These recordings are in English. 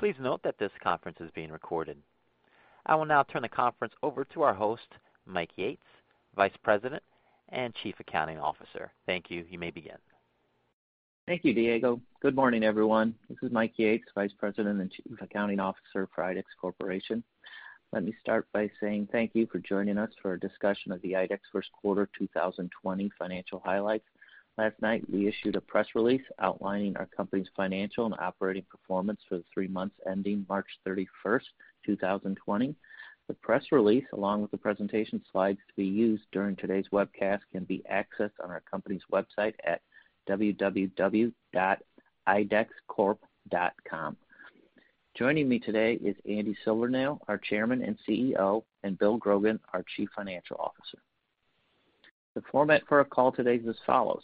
Please note that this conference is being recorded. I will now turn the conference over to our host, Mike Yates, Vice President and Chief Accounting Officer. Thank you. You may begin. Thank you, Diego. Good morning, everyone. This is Mike Yates, Vice President and Chief Accounting Officer for IDEX Corporation. Let me start by saying thank you for joining us for a discussion of the IDEX first quarter 2020 financial highlights. Last night, we issued a press release outlining our company's financial and operating performance for the three months ending March 31st, 2020. The press release, along with the presentation slides to be used during today's webcast, can be accessed on our company's website at www.idexcorp.com. Joining me today is Andy Silvernail, our Chairman and CEO, and Bill Grogan, our Chief Financial Officer. The format for our call today is as follows.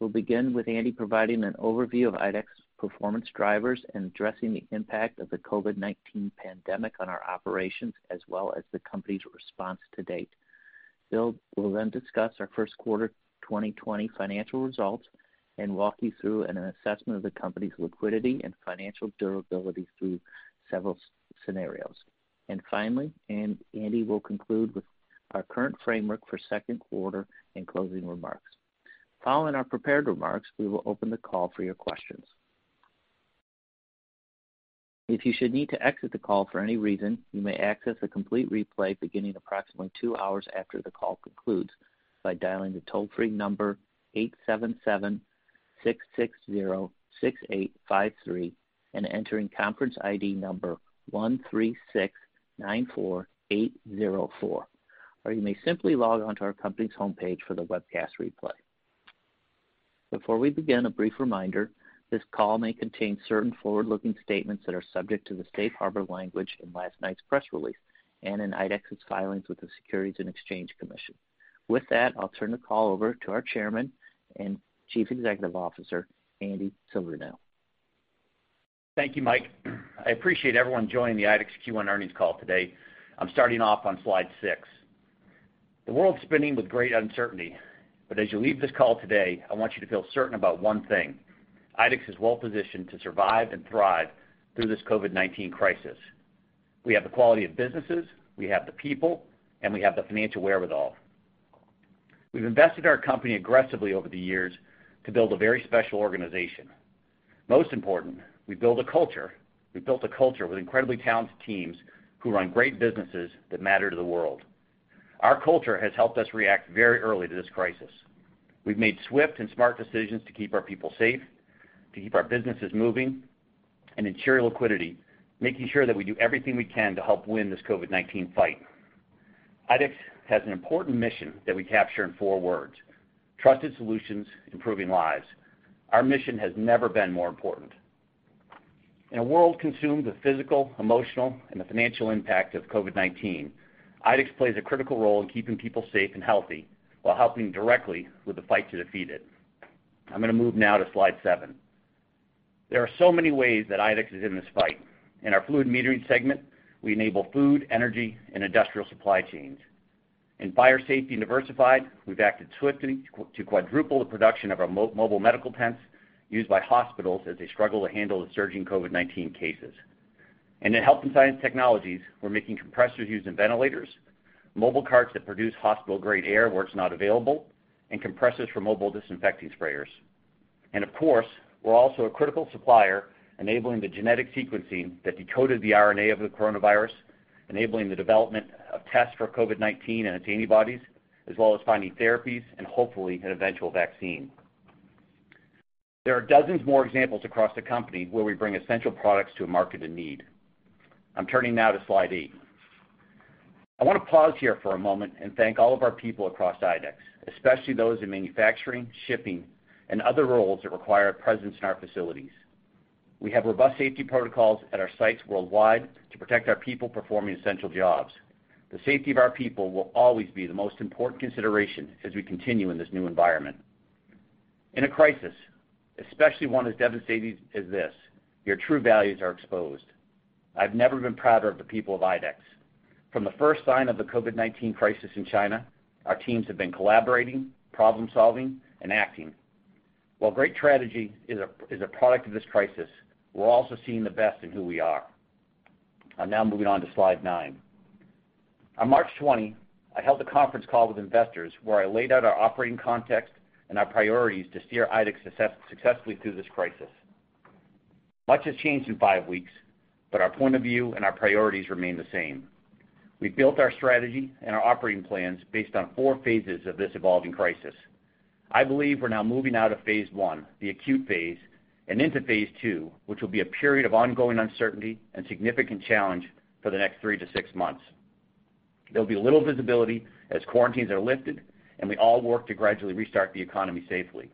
We'll begin with Andy providing an overview of IDEX performance drivers and addressing the impact of the COVID-19 pandemic on our operations as well as the company's response to date. Bill will then discuss our first quarter 2020 financial results and walk you through an assessment of the company's liquidity and financial durability through several scenarios. Finally, Andy will conclude with our current framework for second quarter and closing remarks. Following our prepared remarks, we will open the call for your questions. If you should need to exit the call for any reason, you may access a complete replay beginning approximately two hours after the call concludes by dialing the toll-free number eight seven seven-six six zero-six eight five three and entering conference ID number 13694804. You may simply log on to our company's homepage for the webcast replay. Before we begin, a brief reminder, this call may contain certain forward-looking statements that are subject to the safe harbor language in last night's press release and in IDEX's filings with the Securities and Exchange Commission. With that, I'll turn the call over to our Chairman and Chief Executive Officer, Andy Silvernail. Thank you, Mike. I appreciate everyone joining the IDEX Q1 earnings call today. I'm starting off on slide six. The world's spinning with great uncertainty, but as you leave this call today, I want you to feel certain about one thing: IDEX is well-positioned to survive and thrive through this COVID-19 crisis. We have the quality of businesses, we have the people, and we have the financial wherewithal. We've invested our company aggressively over the years to build a very special organization. Most important, we built a culture with incredibly talented teams who run great businesses that matter to the world. Our culture has helped us react very early to this crisis. We've made swift and smart decisions to keep our people safe, to keep our businesses moving, and ensure liquidity, making sure that we do everything we can to help win this COVID-19 fight. IDEX has an important mission that we capture in four words: trusted solutions, improving lives. Our mission has never been more important. In a world consumed with physical, emotional, and the financial impact of COVID-19, IDEX plays a critical role in keeping people safe and healthy while helping directly with the fight to defeat it. I'm going to move now to slide seven. There are so many ways that IDEX is in this fight. In our fluid metering segment, we enable food, energy, and industrial supply chains. In Fire & Safety/Diversified Products, we've acted swiftly to quadruple the production of our mobile medical tents used by hospitals as they struggle to handle the surging COVID-19 cases. In IDEX Health & Science, we're making compressors used in ventilators, mobile carts that produce hospital-grade air where it's not available, and compressors for mobile disinfecting sprayers. Of course, we're also a critical supplier enabling the genetic sequencing that decoded the RNA of the coronavirus, enabling the development of tests for COVID-19 and its antibodies, as well as finding therapies and hopefully an eventual vaccine. There are dozens more examples across the company where we bring essential products to a market in need. I'm turning now to slide eight. I want to pause here for a moment and thank all of our people across IDEX, especially those in manufacturing, shipping, and other roles that require a presence in our facilities. We have robust safety protocols at our sites worldwide to protect our people performing essential jobs. The safety of our people will always be the most important consideration as we continue in this new environment. In a crisis, especially one as devastating as this, your true values are exposed. I've never been prouder of the people of IDEX. From the first sign of the COVID-19 crisis in China, our teams have been collaborating, problem-solving, and acting. Great strategy is a product of this crisis, we're also seeing the best in who we are. I'm now moving on to slide nine. On March 20, I held a conference call with investors where I laid out our operating context and our priorities to steer IDEX successfully through this crisis. Much has changed in five weeks, our point of view and our priorities remain the same. We've built our strategy and our operating plans based on four phases of this evolving crisis. I believe we're now moving out of phase I, the acute phase, and into phase II, which will be a period of ongoing uncertainty and significant challenge for the next three to six months. There'll be little visibility as quarantines are lifted and we all work to gradually restart the economy safely.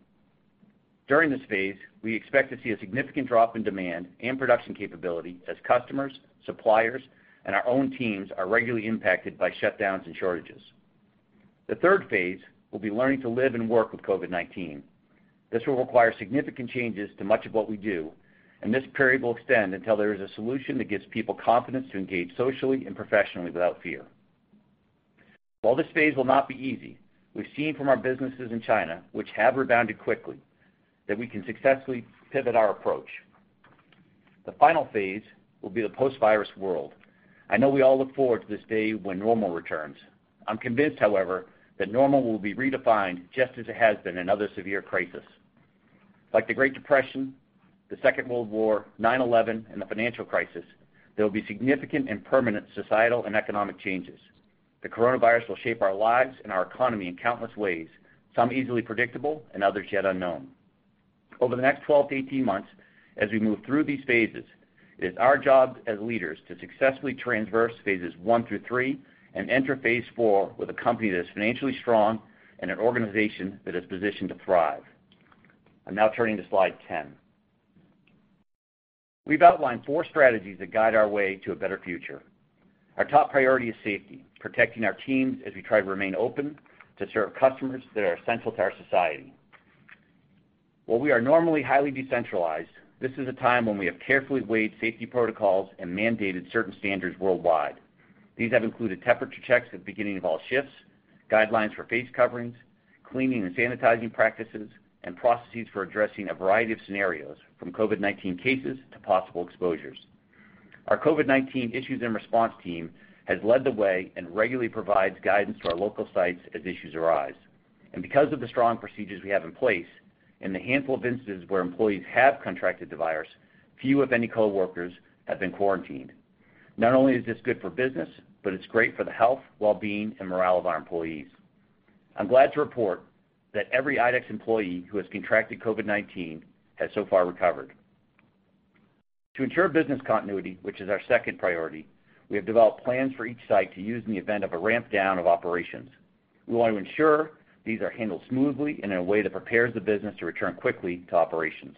During this phase, we expect to see a significant drop in demand and production capability as customers, suppliers, and our own teams are regularly impacted by shutdowns and shortages. The third phase will be learning to live and work with COVID-19. This will require significant changes to much of what we do, and this period will extend until there is a solution that gives people confidence to engage socially and professionally without fear. While this phase will not be easy, we've seen from our businesses in China, which have rebounded quickly, that we can successfully pivot our approach. The final phase will be the post-virus world. I know we all look forward to this day when normal returns. I'm convinced, however, that normal will be redefined just as it has been in other severe crises. Like the Great Depression, the Second World War, 9/11, and the financial crisis, there will be significant and permanent societal and economic changes. The coronavirus will shape our lives and our economy in countless ways, some easily predictable and others yet unknown. Over the next 12-18 months, as we move through these phases, it is our job as leaders to successfully transverse phases I through III and enter phase IV with a company that is financially strong and an organization that is positioned to thrive. I'm now turning to slide 10. We've outlined four strategies that guide our way to a better future. Our top priority is safety, protecting our teams as we try to remain open to serve customers that are essential to our society. While we are normally highly decentralized, this is a time when we have carefully weighed safety protocols and mandated certain standards worldwide. These have included temperature checks at the beginning of all shifts, guidelines for face coverings, cleaning and sanitizing practices, and processes for addressing a variety of scenarios from COVID-19 cases to possible exposures. Our COVID-19 issues and response team has led the way and regularly provides guidance to our local sites as issues arise. Because of the strong procedures we have in place, in the handful of instances where employees have contracted the virus, few, if any, coworkers have been quarantined. Not only is this good for business, but it's great for the health, well-being, and morale of our employees. I'm glad to report that every IDEX employee who has contracted COVID-19 has so far recovered. To ensure business continuity, which is our second priority, we have developed plans for each site to use in the event of a ramp down of operations. We want to ensure these are handled smoothly and in a way that prepares the business to return quickly to operations.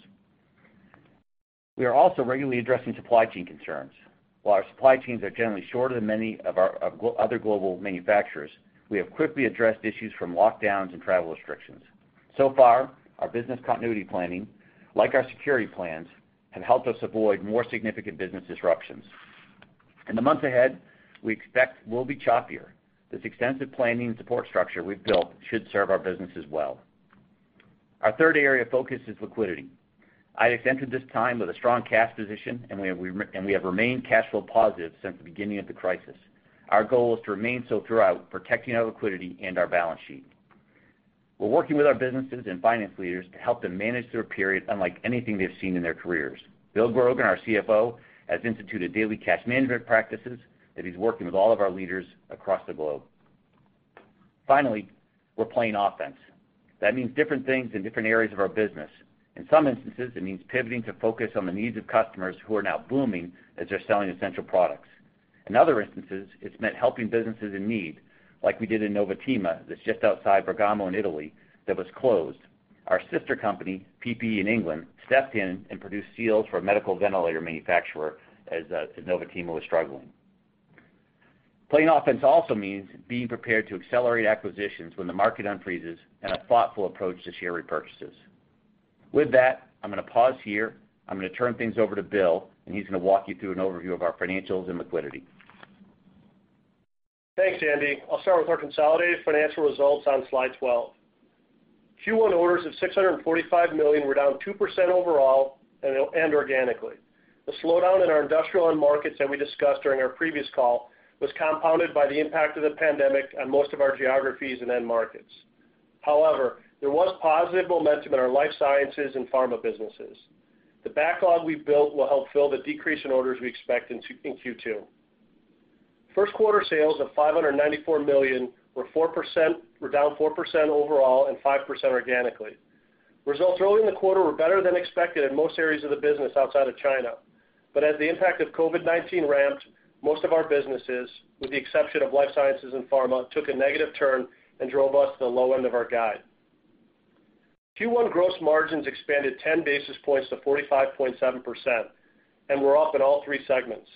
We are also regularly addressing supply chain concerns. While our supply chains are generally shorter than many other global manufacturers, we have quickly addressed issues from lockdowns and travel restrictions. So far, our business continuity planning, like our security plans, have helped us avoid more significant business disruptions. In the months ahead, we expect will be choppier. This extensive planning and support structure we've built should serve our businesses well. Our third area of focus is liquidity. IDEX entered this time with a strong cash position, and we have remained cash flow positive since the beginning of the crisis. Our goal is to remain so throughout, protecting our liquidity and our balance sheet. We're working with our businesses and finance leaders to help them manage through a period unlike anything they've seen in their careers. Bill Grogan, our CFO, has instituted daily cash management practices that he's working with all of our leaders across the globe. We're playing offense. That means different things in different areas of our business. In some instances, it means pivoting to focus on the needs of customers who are now booming as they're selling essential products. In other instances, it's meant helping businesses in need, like we did in Novotema, that's just outside Bergamo in Italy, that was closed. Our sister company, PPE in England, stepped in and produced seals for a medical ventilator manufacturer as Novotema was struggling. Playing offense also means being prepared to accelerate acquisitions when the market unfreezes and a thoughtful approach to share repurchases. With that, I'm going to pause here. I'm going to turn things over to Bill, and he's going to walk you through an overview of our financials and liquidity. Thanks, Andy. I'll start with our consolidated financial results on slide 12. Q1 orders of $645 million were down 2% overall and organically. The slowdown in our industrial end markets that we discussed during our previous call was compounded by the impact of the pandemic on most of our geographies and end markets. There was positive momentum in our life sciences and pharma businesses. The backlog we built will help fill the decrease in orders we expect in Q2. First quarter sales of $594 million were down 4% overall and 5% organically. Results early in the quarter were better than expected in most areas of the business outside of China. As the impact of COVID-19 ramped, most of our businesses, with the exception of life sciences and pharma, took a negative turn and drove us to the low end of our guide. Q1 gross margins expanded 10 basis points to 45.7%, and were up in all three segments,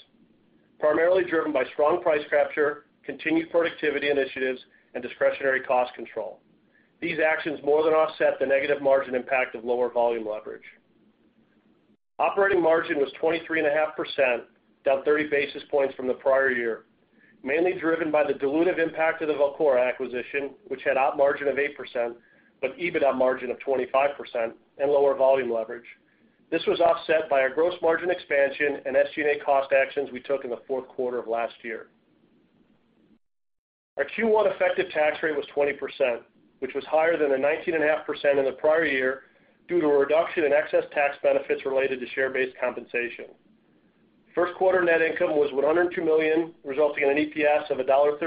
primarily driven by strong price capture, continued productivity initiatives, and discretionary cost control. These actions more than offset the negative margin impact of lower volume leverage. Operating margin was 23.5%, down 30 basis points from the prior year, mainly driven by the dilutive impact of the Velcora acquisition, which had op margin of 8%, but EBITDA margin of 25%, and lower volume leverage. This was offset by our gross margin expansion and SG&A cost actions we took in the fourth quarter of last year. Our Q1 effective tax rate was 20%, which was higher than the 19.5% in the prior year due to a reduction in excess tax benefits related to share-based compensation. First quarter net income was $102 million, resulting in an EPS of $1.33,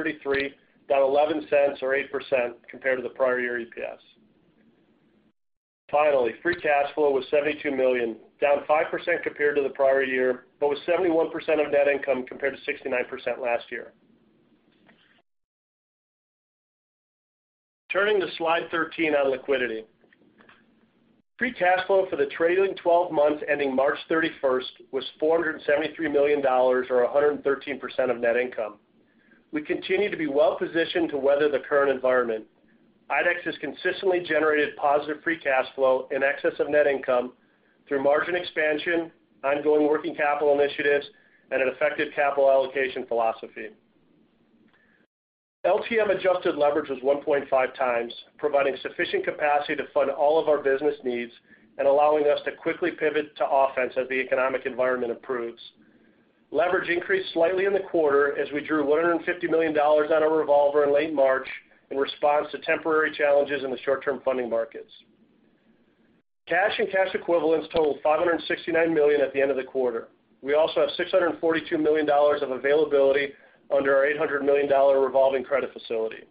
down $0.11 or 8% compared to the prior year EPS. Finally, free cash flow was $72 million, down 5% compared to the prior year, but was 71% of net income compared to 69% last year. Turning to slide 13 on liquidity. Free cash flow for the trailing 12 months ending March 31st was $473 million, or 113% of net income. We continue to be well positioned to weather the current environment. IDEX has consistently generated positive free cash flow in excess of net income through margin expansion, ongoing working capital initiatives, and an effective capital allocation philosophy. LTM adjusted leverage was 1.5x, providing sufficient capacity to fund all of our business needs and allowing us to quickly pivot to offense as the economic environment improves. Leverage increased slightly in the quarter as we drew $150 million on our revolver in late March in response to temporary challenges in the short-term funding markets. Cash and cash equivalents totaled $569 million at the end of the quarter. We also have $642 million of availability under our $800 million revolving credit facility.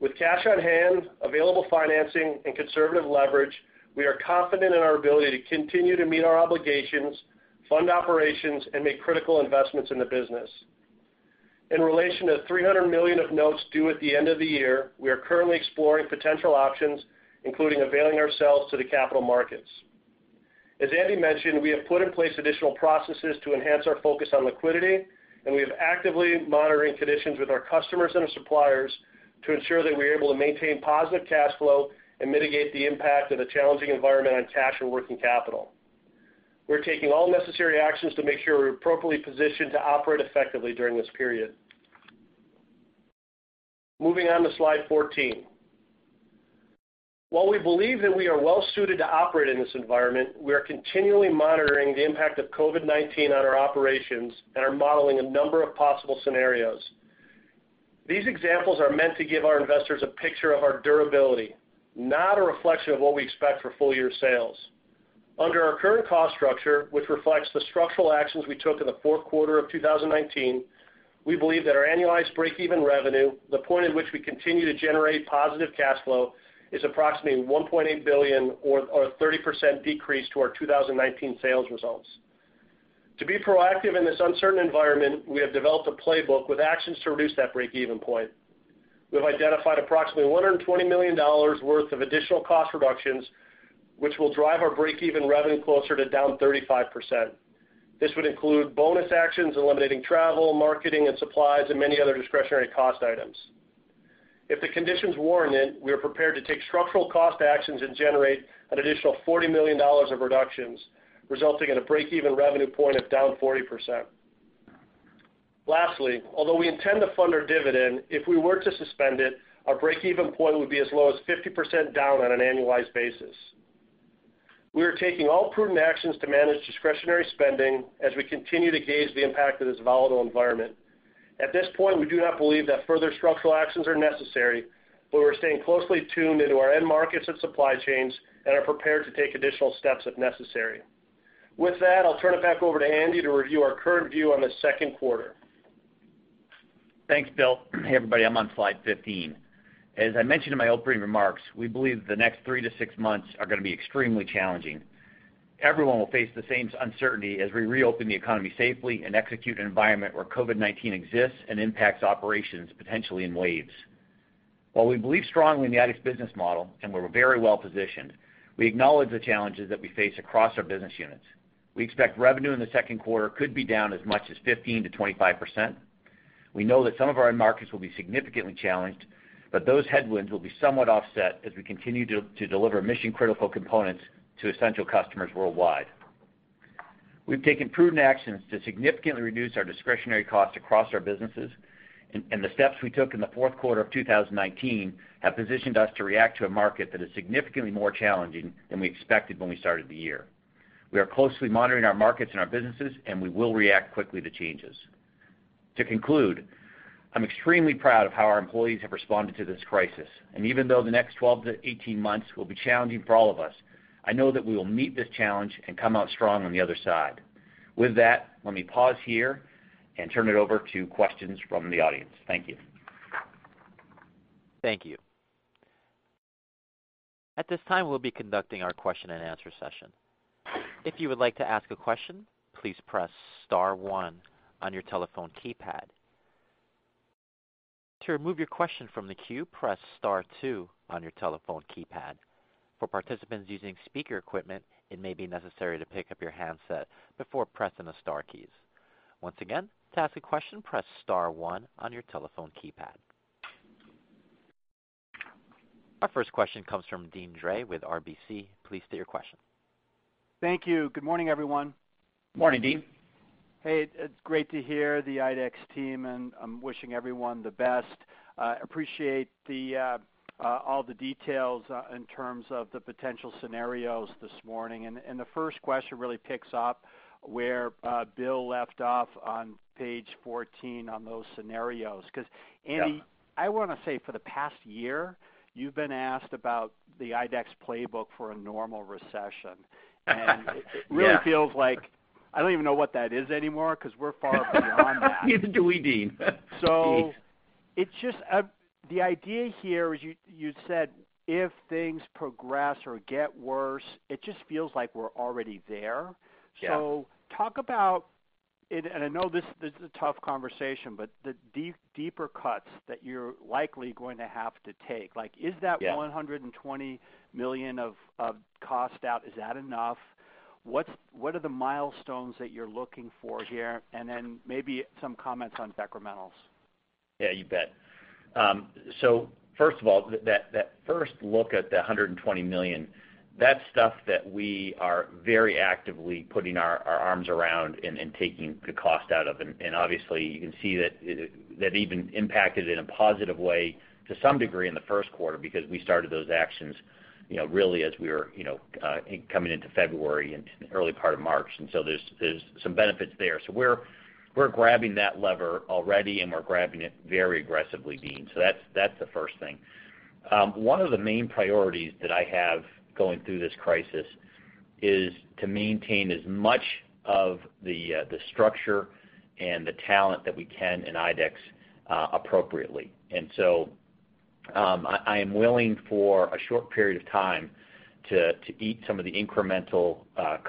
With cash on hand, available financing, and conservative leverage, we are confident in our ability to continue to meet our obligations, fund operations, and make critical investments in the business. In relation to $300 million of notes due at the end of the year, we are currently exploring potential options, including availing ourselves to the capital markets. As Andy mentioned, we have put in place additional processes to enhance our focus on liquidity, and we are actively monitoring conditions with our customers and our suppliers to ensure that we are able to maintain positive cash flow and mitigate the impact of the challenging environment on cash and working capital. We're taking all necessary actions to make sure we're appropriately positioned to operate effectively during this period. Moving on to slide 14. While we believe that we are well-suited to operate in this environment, we are continually monitoring the impact of COVID-19 on our operations and are modeling a number of possible scenarios. These examples are meant to give our investors a picture of our durability, not a reflection of what we expect for full-year sales. Under our current cost structure, which reflects the structural actions we took in the fourth quarter of 2019, we believe that our annualized breakeven revenue, the point at which we continue to generate positive cash flow, is approximately $1.8 billion or a 30% decrease to our 2019 sales results. To be proactive in this uncertain environment, we have developed a playbook with actions to reduce that breakeven point. We have identified approximately $120 million worth of additional cost reductions, which will drive our breakeven revenue closer to down 35%. This would include bonus actions, eliminating travel, marketing, and supplies, and many other discretionary cost items. If the conditions warrant it, we are prepared to take structural cost actions and generate an additional $40 million of reductions, resulting in a breakeven revenue point of down 40%. Lastly, although we intend to fund our dividend, if we were to suspend it, our breakeven point would be as low as 50% down on an annualized basis. We are taking all prudent actions to manage discretionary spending as we continue to gauge the impact of this volatile environment. At this point, we do not believe that further structural actions are necessary, but we're staying closely tuned into our end markets and supply chains and are prepared to take additional steps if necessary. With that, I'll turn it back over to Andy to review our current view on the second quarter. Thanks, Bill. Hey, everybody. I'm on slide 15. As I mentioned in my opening remarks, we believe that the next three to six months are gonna be extremely challenging. Everyone will face the same uncertainty as we reopen the economy safely and execute an environment where COVID-19 exists and impacts operations potentially in waves. While we believe strongly in the IDEX business model and we're very well-positioned, we acknowledge the challenges that we face across our business units. We expect revenue in the second quarter could be down as much as 15%-25%. Those headwinds will be somewhat offset as we continue to deliver mission-critical components to essential customers worldwide. We've taken prudent actions to significantly reduce our discretionary costs across our businesses, and the steps we took in the fourth quarter of 2019 have positioned us to react to a market that is significantly more challenging than we expected when we started the year. We are closely monitoring our markets and our businesses, and we will react quickly to changes. To conclude, I'm extremely proud of how our employees have responded to this crisis, and even though the next 12-18 months will be challenging for all of us, I know that we will meet this challenge and come out strong on the other side. With that, let me pause here and turn it over to questions from the audience. Thank you. Thank you. At this time, we'll be conducting our question and answer session. If you would like to ask a question, please press star one on your telephone keypad. To remove your question from the queue, press star two on your telephone keypad. For participants using speaker equipment, it may be necessary to pick up your handset before pressing the star keys. Once again, to ask a question, press star one on your telephone keypad. Our first question comes from Deane Dray with RBC. Please state your question. Thank you. Good morning, everyone. Morning, Deane. Hey, it's great to hear the IDEX team, and I'm wishing everyone the best. Appreciate all the details in terms of the potential scenarios this morning. The first question really picks up where Bill left off on page 14 on those scenarios, 'cause Andy. Yeah. I wanna say for the past year, you've been asked about the IDEX playbook for a normal recession. Yeah. It really feels like I don't even know what that is anymore, 'cause we're far beyond that. Neither do we, Deane. Jeez. The idea here is you said if things progress or get worse. It just feels like we're already there. Yeah. Talk about, and I know this is a tough conversation, but the deeper cuts that you're likely going to have to take. Like, is that? Yeah. $120 million of cost out, is that enough? What are the milestones that you're looking for here? Maybe some comments on decrementals. Yeah, you bet. First of all, that first look at the $120 million, that's stuff that we are very actively putting our arms around and taking the cost out of. Obviously, you can see that even impacted in a positive way to some degree in the first quarter because we started those actions really as we were coming into February and early part of March. There's some benefits there. We're grabbing that lever already, and we're grabbing it very aggressively, Deane. That's the first thing. One of the main priorities that I have going through this crisis is to maintain as much of the structure and the talent that we can in IDEX appropriately. I am willing for a short period of time to eat some of the incremental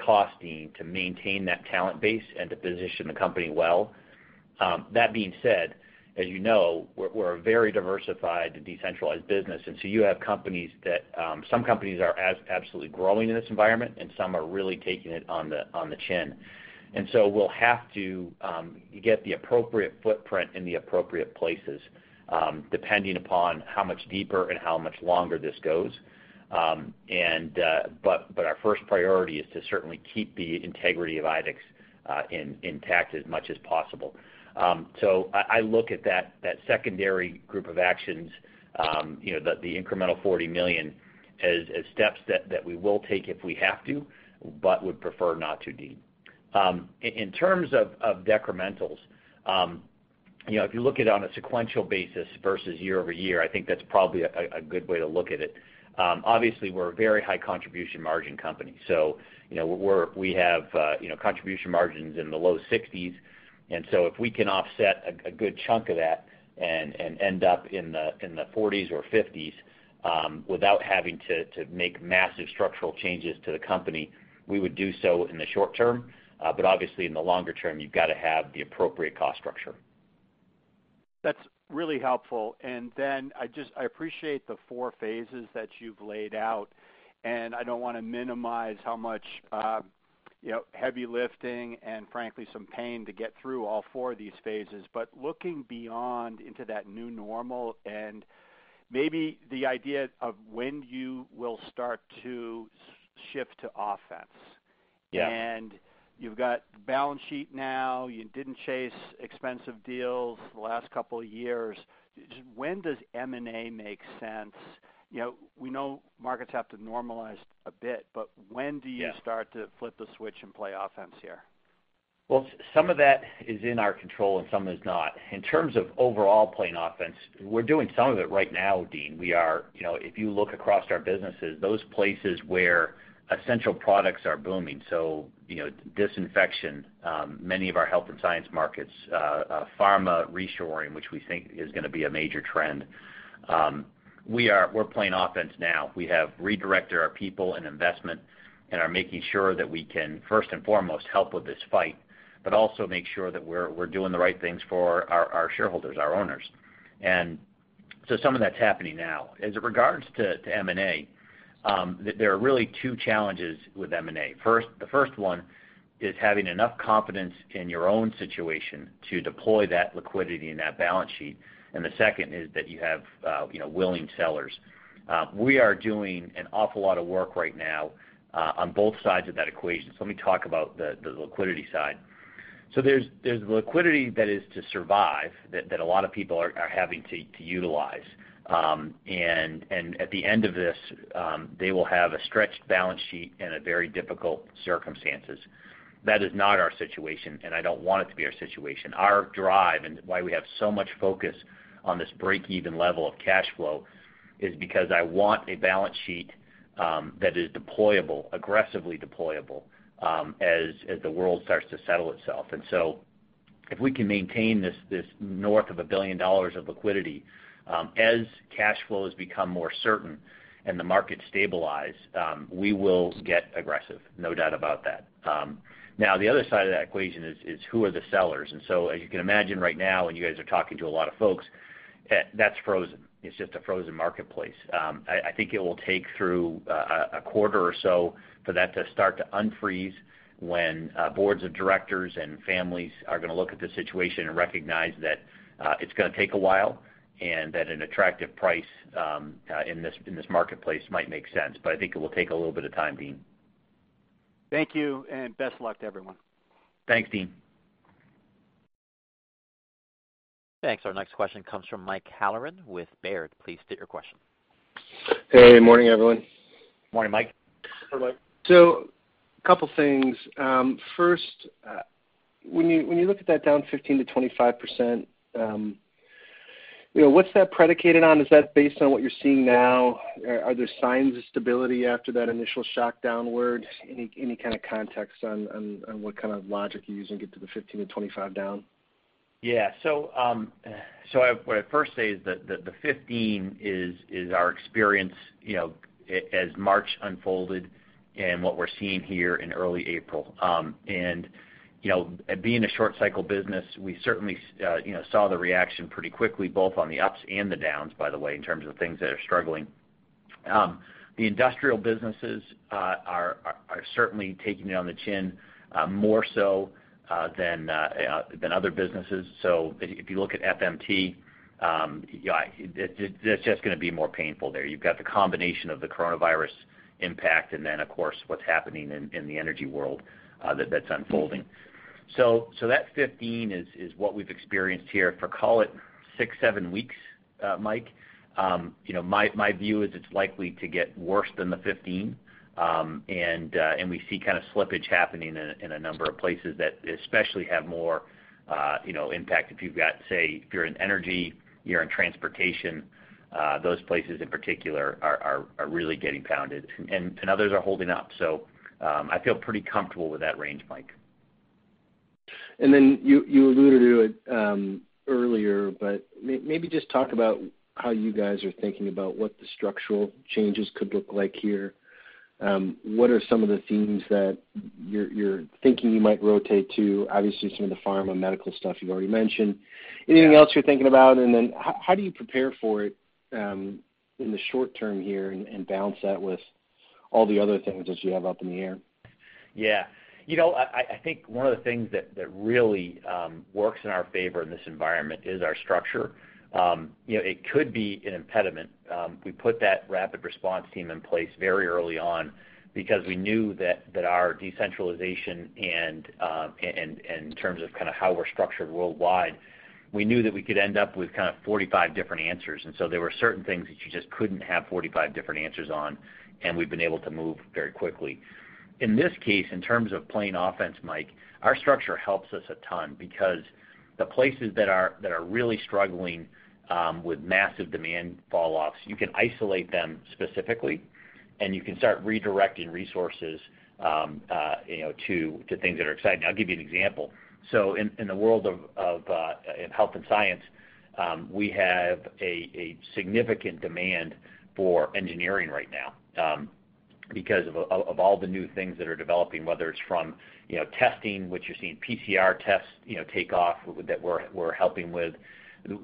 costing to maintain that talent base and to position the company well. That being said, as you know, we're a very diversified, decentralized business, you have some companies are absolutely growing in this environment, and some are really taking it on the chin. We'll have to get the appropriate footprint in the appropriate places, depending upon how much deeper and how much longer this goes. Our first priority is to certainly keep the integrity of IDEX intact as much as possible. I look at that secondary group of actions, the incremental $40 million, as steps that we will take if we have to, but would prefer not to, Deane. In terms of decrementals, if you look at it on a sequential basis versus year-over-year, I think that's probably a good way to look at it. Obviously, we're a very high contribution margin company, we have contribution margins in the low 60s. If we can offset a good chunk of that and end up in the 40s or 50s, without having to make massive structural changes to the company, we would do so in the short term. Obviously in the longer term, you've got to have the appropriate cost structure. That's really helpful. I appreciate the four phases that you've laid out, and I don't want to minimize how much heavy lifting and frankly some pain to get through all four of these phases, but looking beyond into that new normal and maybe the idea of when you will start to shift to offense. Yeah. You've got the balance sheet now. You didn't chase expensive deals the last couple of years. When does M&A make sense? Yeah. Start to flip the switch and play offense here? Some of that is in our control and some is not. In terms of overall playing offense, we're doing some of it right now, Deane. If you look across our businesses, those places where essential products are booming, so disinfection, many of our Health & Science markets, pharma reshoring, which we think is going to be a major trend. We're playing offense now. We have redirected our people and investment and are making sure that we can first and foremost help with this fight, but also make sure that we're doing the right things for our shareholders, our owners. Some of that's happening now. As it regards to M&A, there are really two challenges with M&A. The first one is having enough confidence in your own situation to deploy that liquidity and that balance sheet, and the second is that you have willing sellers. We are doing an awful lot of work right now on both sides of that equation. Let me talk about the liquidity side. There's liquidity that is to survive, that a lot of people are having to utilize. At the end of this, they will have a stretched balance sheet and very difficult circumstances. That is not our situation, and I don't want it to be our situation. Our drive and why we have so much focus on this breakeven level of cash flow is because I want a balance sheet that is aggressively deployable as the world starts to settle itself. If we can maintain this north of $1 billion of liquidity, as cash flows become more certain and the markets stabilize, we will get aggressive. No doubt about that. The other side of that equation is who are the sellers? As you can imagine right now, and you guys are talking to a lot of folks, that's frozen. It's just a frozen marketplace. I think it will take through a quarter or so for that to start to unfreeze when boards of directors and families are going to look at the situation and recognize that it's going to take a while, and that an attractive price in this marketplace might make sense. I think it will take a little bit of time, Deane. Thank you, and best of luck to everyone. Thanks, Deane. Thanks. Our next question comes from Mike Halloran with Baird. Please state your question. Hey, morning, everyone. Morning, Mike. Hi, Mike. A couple things. First, when you look at that down 15%-25%, what's that predicated on? Is that based on what you're seeing now? Are there signs of stability after that initial shock downward? Any kind of context on what kind of logic you use and get to the 15% and 25% down? Yeah. What I'd first say is that the 15% is our experience as March unfolded and what we're seeing here in early April. Being a short cycle business, we certainly saw the reaction pretty quickly, both on the ups and the downs, by the way, in terms of things that are struggling. The industrial businesses are certainly taking it on the chin more so than other businesses. If you look at FMT, that's just going to be more painful there. You've got the combination of the coronavirus impact and then, of course, what's happening in the energy world that's unfolding. That 15% is what we've experienced here for, call it six, seven weeks, Mike. My view is it's likely to get worse than the 15%. We see kind of slippage happening in a number of places that especially have more impact. If you're in energy, you're in transportation, those places in particular are really getting pounded, and others are holding up. I feel pretty comfortable with that range, Mike. Then you alluded to it earlier, but maybe just talk about how you guys are thinking about what the structural changes could look like here. What are some of the themes that you're thinking you might rotate to? Obviously, some of the pharma medical stuff you already mentioned. Yeah. Anything else you're thinking about? How do you prepare for it in the short term here and balance that with all the other things that you have up in the air? Yeah. I think one of the things that really works in our favor in this environment is our structure. It could be an impediment. We put that rapid response team in place very early on because we knew that our decentralization, and in terms of kind of how we're structured worldwide, we knew that we could end up with kind of 45 different answers. There were certain things that you just couldn't have 45 different answers on, and we've been able to move very quickly. In this case, in terms of playing offense, Mike, our structure helps us a ton because the places that are really struggling with massive demand falloffs, you can isolate them specifically, and you can start redirecting resources to things that are exciting. I'll give you an example. In the world of Health & Science, we have a significant demand for engineering right now because of all the new things that are developing, whether it's from testing, which you're seeing PCR tests take off that we're helping with.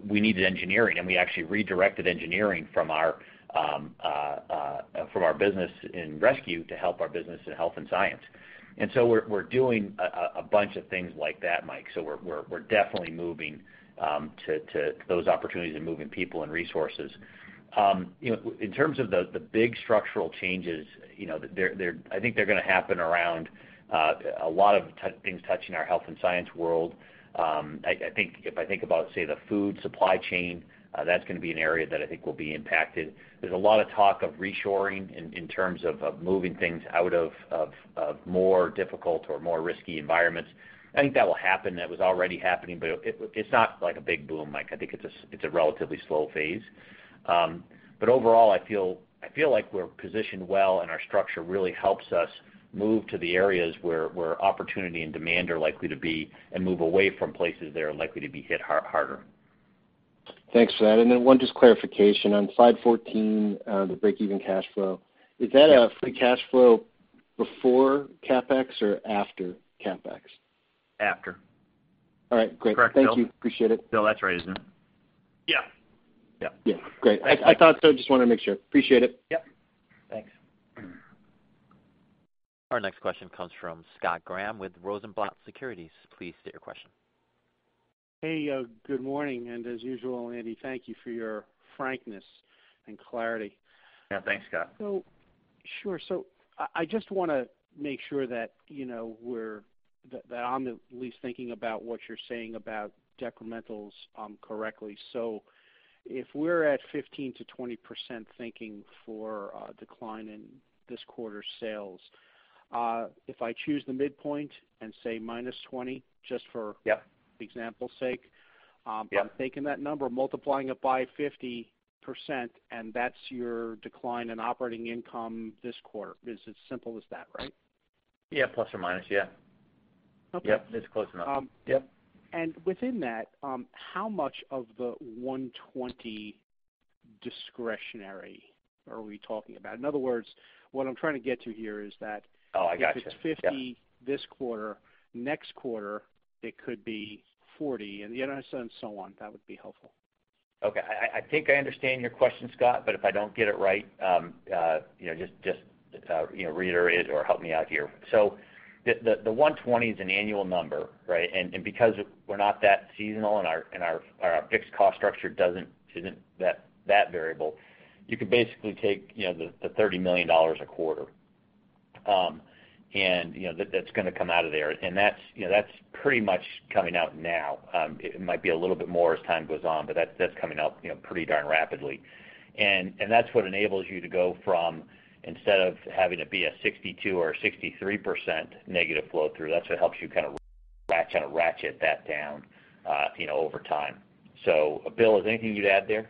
We needed engineering, we actually redirected engineering from our business in rescue to help our business in Health & Science. We're doing a bunch of things like that, Mike. We're definitely moving to those opportunities and moving people and resources. In terms of the big structural changes, I think they're going to happen around a lot of things touching our Health & Science world. If I think about, say, the food supply chain, that's going to be an area that I think will be impacted. There's a lot of talk of reshoring in terms of moving things out of more difficult or more risky environments. I think that will happen. That was already happening, it's not like a big boom, Mike. I think it's a relatively slow phase. Overall, I feel like we're positioned well, and our structure really helps us move to the areas where opportunity and demand are likely to be and move away from places that are likely to be hit harder. Thanks for that. Then one just clarification. On slide 14, the breakeven cash flow, is that a free cash flow before CapEx or after CapEx? After. All right, great. Correct, Bill? Thank you. Appreciate it. Bill, that's right, isn't it? Yeah. Yeah. Yeah. Great. I thought so, just wanted to make sure. Appreciate it. Yep. Thanks. Our next question comes from Scott Graham with Rosenblatt Securities. Please state your question. Hey, good morning. As usual, Andy, thank you for your frankness and clarity. Yeah. Thanks, Scott. Sure. I just want to make sure that I'm at least thinking about what you're saying about decrementals correctly. If we're at 15%-20% thinking for a decline in this quarter's sales, if I choose the midpoint and say -20%. Yeah. Example's sake. Yeah. I'm taking that number, multiplying it by 50%, and that's your decline in operating income this quarter. It's as simple as that, right? Yeah, plus or minus, yeah. Okay. Yep, it's close enough. Yep. Within that, how much of the $120 million discretionary are we talking about? In other words, what I'm trying to get to here is that. Oh, I gotcha. If it's $50 million this quarter, next quarter, it could be $40 million, and so on, so on. That would be helpful. Okay. I think I understand your question, Scott, but if I don't get it right, just reiterate or help me out here. The $120 million is an annual number, right? Because we're not that seasonal and our fixed cost structure isn't that variable, you could basically take the $30 million a quarter, and that's going to come out of there. That's pretty much coming out now. It might be a little bit more as time goes on, but that's coming out pretty darn rapidly. That's what enables you to go from instead of having it be a 62% or 63% negative flow through, that's what helps you kind of ratchet that down over time. Bill, is there anything you'd add there?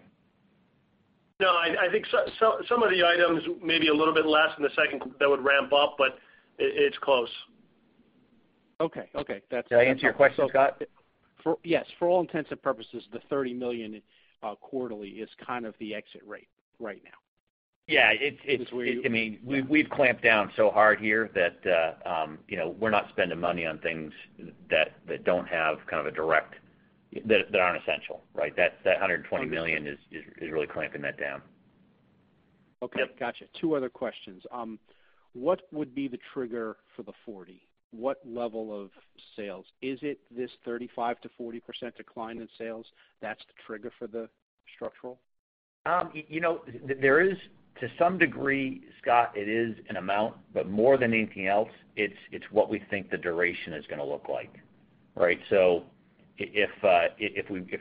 No, I think some of the items may be a little bit less in the second that would ramp up, but it's close. Okay. Did I answer your question, Scott? Yes. For all intents and purposes, the $30 million quarterly is kind of the exit rate right now. Yeah. Is this where? We've clamped down so hard here that we're not spending money on things that don't have kind of a direct, that aren't essential, right? That $120 million is really clamping that down. Okay. Yep. Got you. Two other questions. What would be the trigger for the $40 million? What level of sales? Is it this 35%-40% decline in sales that's the trigger for the structural? To some degree, Scott, it is an amount, but more than anything else, it's what we think the duration is going to look like, right? If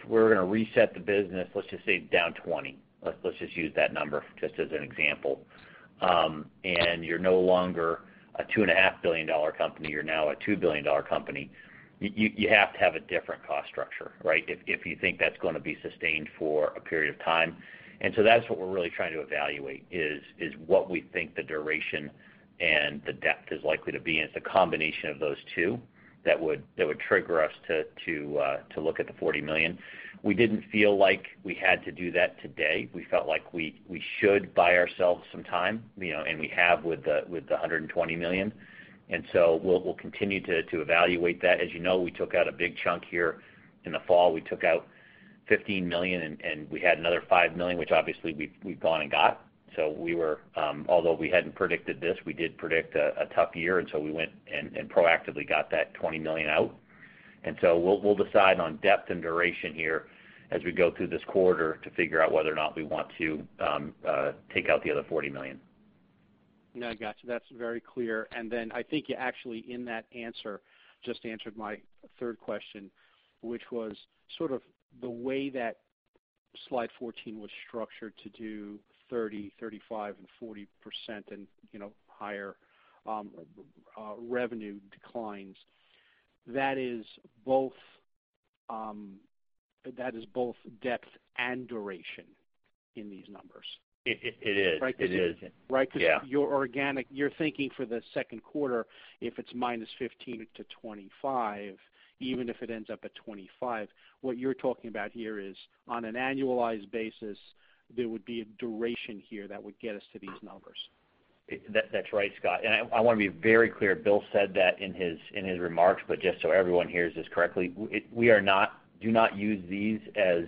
we're going to reset the business, let's just say down 20%. Let's just use that number just as an example. You're no longer a $2.5 billion company, you're now a $2 billion company. You have to have a different cost structure, right? If you think that's going to be sustained for a period of time. That's what we're really trying to evaluate is, what we think the duration and the depth is likely to be, and it's a combination of those two that would trigger us to look at the $40 million. We didn't feel like we had to do that today. We felt like we should buy ourselves some time, and we have with the $120 million. We'll continue to evaluate that. As you know, we took out a big chunk here in the fall. We took out $15 million, and we had another $5 million, which obviously we've gone and got. Although we hadn't predicted this, we did predict a tough year, and so we went and proactively got that $20 million out. We'll decide on depth and duration here as we go through this quarter to figure out whether or not we want to take out the other $40 million. No, got you. That's very clear. Then I think you actually, in that answer, just answered my third question, which was sort of the way that slide 14 was structured to do 30%, 35%, and 40% and higher revenue declines. That is both depth and duration in these numbers. It is. Right? It is. Right. Yeah. Your organic, you're thinking for the second quarter, if it's -15% to -25%, even if it ends up at -25%, what you're talking about here is on an annualized basis, there would be a duration here that would get us to these numbers. That's right, Scott. I want to be very clear. Bill said that in his remarks, but just so everyone hears this correctly, do not use these as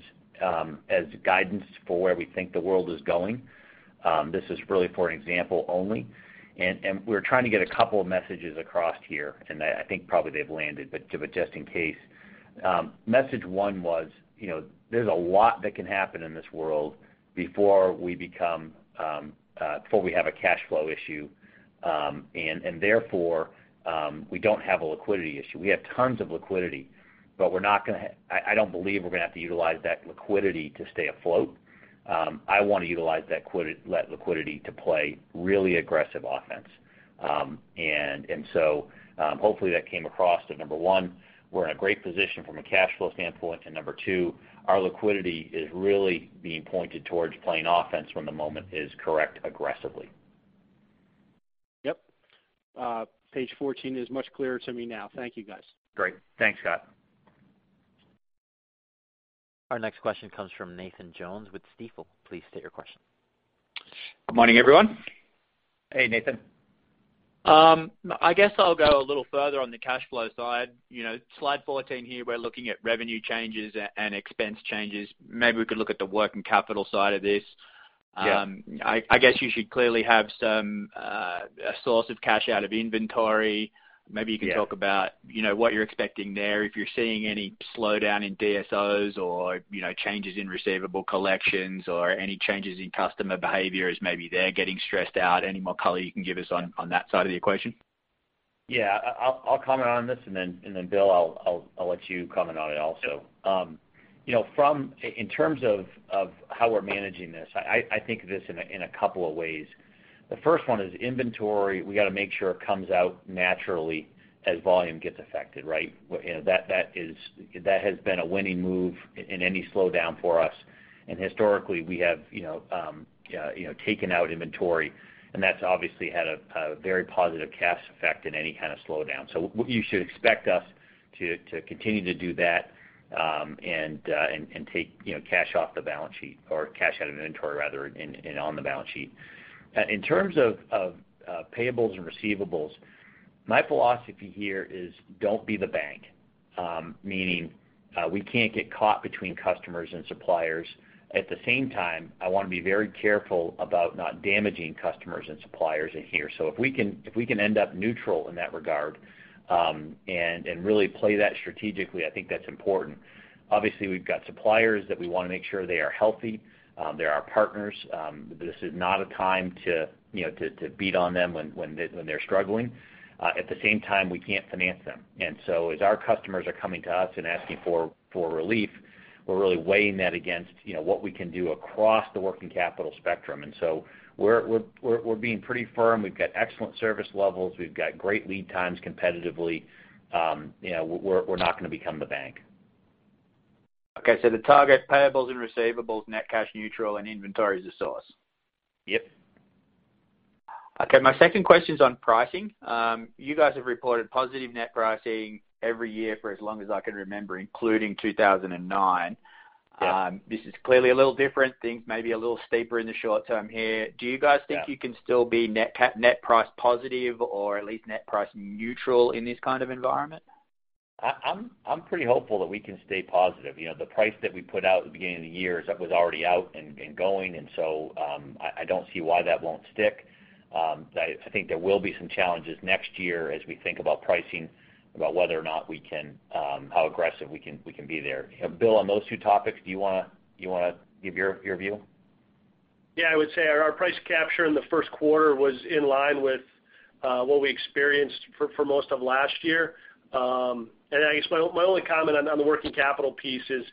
guidance for where we think the world is going. This is really for an example only, and we're trying to get a couple of messages across here, and I think probably they've landed, but just in case. Message one was, there's a lot that can happen in this world before we have a cash flow issue, and therefore, we don't have a liquidity issue. We have tons of liquidity, but I don't believe we're going to have to utilize that liquidity to stay afloat. I want to utilize that liquidity to play really aggressive offense. Hopefully that came across that number one, we're in a great position from a cash flow standpoint, and number two, our liquidity is really being pointed towards playing offense when the moment is correct aggressively. Yep. Page 14 is much clearer to me now. Thank you, guys. Great. Thanks, Scott. Our next question comes from Nathan Jones with Stifel. Please state your question. Good morning, everyone. Hey, Nathan. I guess I'll go a little further on the cash flow side. Slide 14, here we're looking at revenue changes and expense changes. Maybe we could look at the work and capital side of this. Yeah. I guess you should clearly have a source of cash out of inventory. Maybe you can talk about what you're expecting there, if you're seeing any slowdown in DSOs or changes in receivable collections or any changes in customer behavior as maybe they're getting stressed out. Any more color you can give us on that side of the equation? Yeah. I'll comment on this, and then Bill, I'll let you comment on it also. In terms of how we're managing this, I think of this in a couple of ways. The first one is inventory. We got to make sure it comes out naturally as volume gets affected, right? That has been a winning move in any slowdown for us. Historically, we have taken out inventory, and that's obviously had a very positive cash effect in any kind of slowdown. You should expect us to continue to do that, and take cash off the balance sheet or cash out of inventory, rather, and on the balance sheet. In terms of payables and receivables, my philosophy here is don't be the bank, meaning we can't get caught between customers and suppliers. At the same time, I want to be very careful about not damaging customers and suppliers in here. If we can end up neutral in that regard and really play that strategically, I think that's important. Obviously, we've got suppliers that we want to make sure they are healthy. They're our partners. This is not a time to beat on them when they're struggling. At the same time, we can't finance them. As our customers are coming to us and asking for relief, we're really weighing that against what we can do across the working capital spectrum. We're being pretty firm. We've got excellent service levels. We've got great lead times competitively. We're not going to become the bank. Okay, the target payables and receivables, net cash neutral and inventory is the source. Yep. My second question's on pricing. You guys have reported positive net pricing every year for as long as I can remember, including 2009. This is clearly a little different. Things may be a little steeper in the short term here. Do you guys think you can still be net price positive, or at least net price neutral in this kind of environment? I'm pretty hopeful that we can stay positive. The price that we put out at the beginning of the year, that was already out and going. I don't see why that won't stick. I think there will be some challenges next year as we think about pricing, about whether or not we can how aggressive we can be there. Bill, on those two topics, do you want to give your view? I would say our price capture in the first quarter was in line with what we experienced for most of last year. I guess my only comment on the working capital piece is,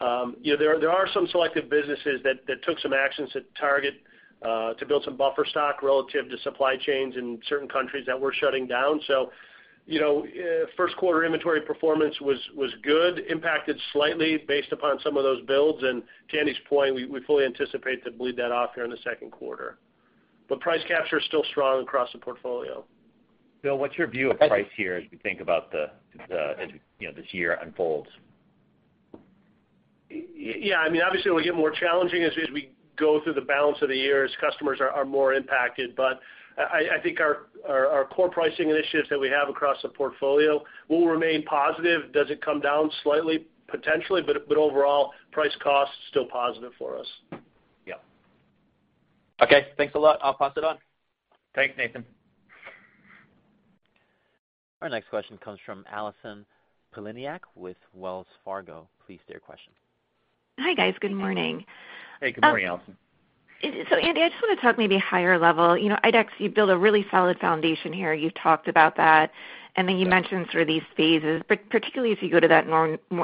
there are some selective businesses that took some actions to target to build some buffer stock relative to supply chains in certain countries that were shutting down. First quarter inventory performance was good, impacted slightly based upon some of those builds. To Andy's point, we fully anticipate to bleed that off here in the second quarter. Price capture is still strong across the portfolio. Bill, what's your view of price here as we think about as this year unfolds? Yeah. Obviously, it will get more challenging as we go through the balance of the year, as customers are more impacted. I think our core pricing initiatives that we have across the portfolio will remain positive. Does it come down slightly? Potentially, but overall, price cost, still positive for us. Yeah. Okay. Thanks a lot. I'll pass it on. Thanks, Nathan. Our next question comes from Allison Poliniak with Wells Fargo. Please state your question. Hi, guys. Good morning. Hey, good morning, Allison. Andy, I just want to talk maybe higher level. IDEX, you build a really solid foundation here. You've talked about that, you mentioned sort of these phases, particularly as you go to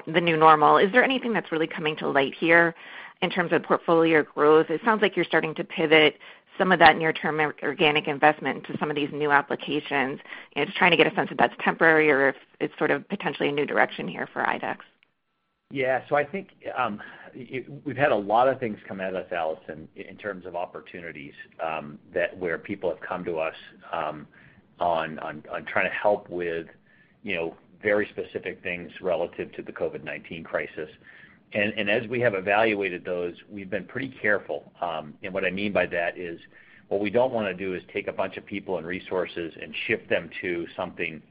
the new normal, is there anything that's really coming to light here in terms of portfolio growth? It sounds like you're starting to pivot some of that near-term organic investment into some of these new applications. Just trying to get a sense if that's temporary or if it's sort of potentially a new direction here for IDEX. Yeah. I think, we've had a lot of things come at us, Allison, in terms of opportunities, where people have come to us on trying to help with very specific things relative to the COVID-19 crisis. As we have evaluated those, we've been pretty careful. What I mean by that is, what we don't want to do is take a bunch of people and resources and shift them to something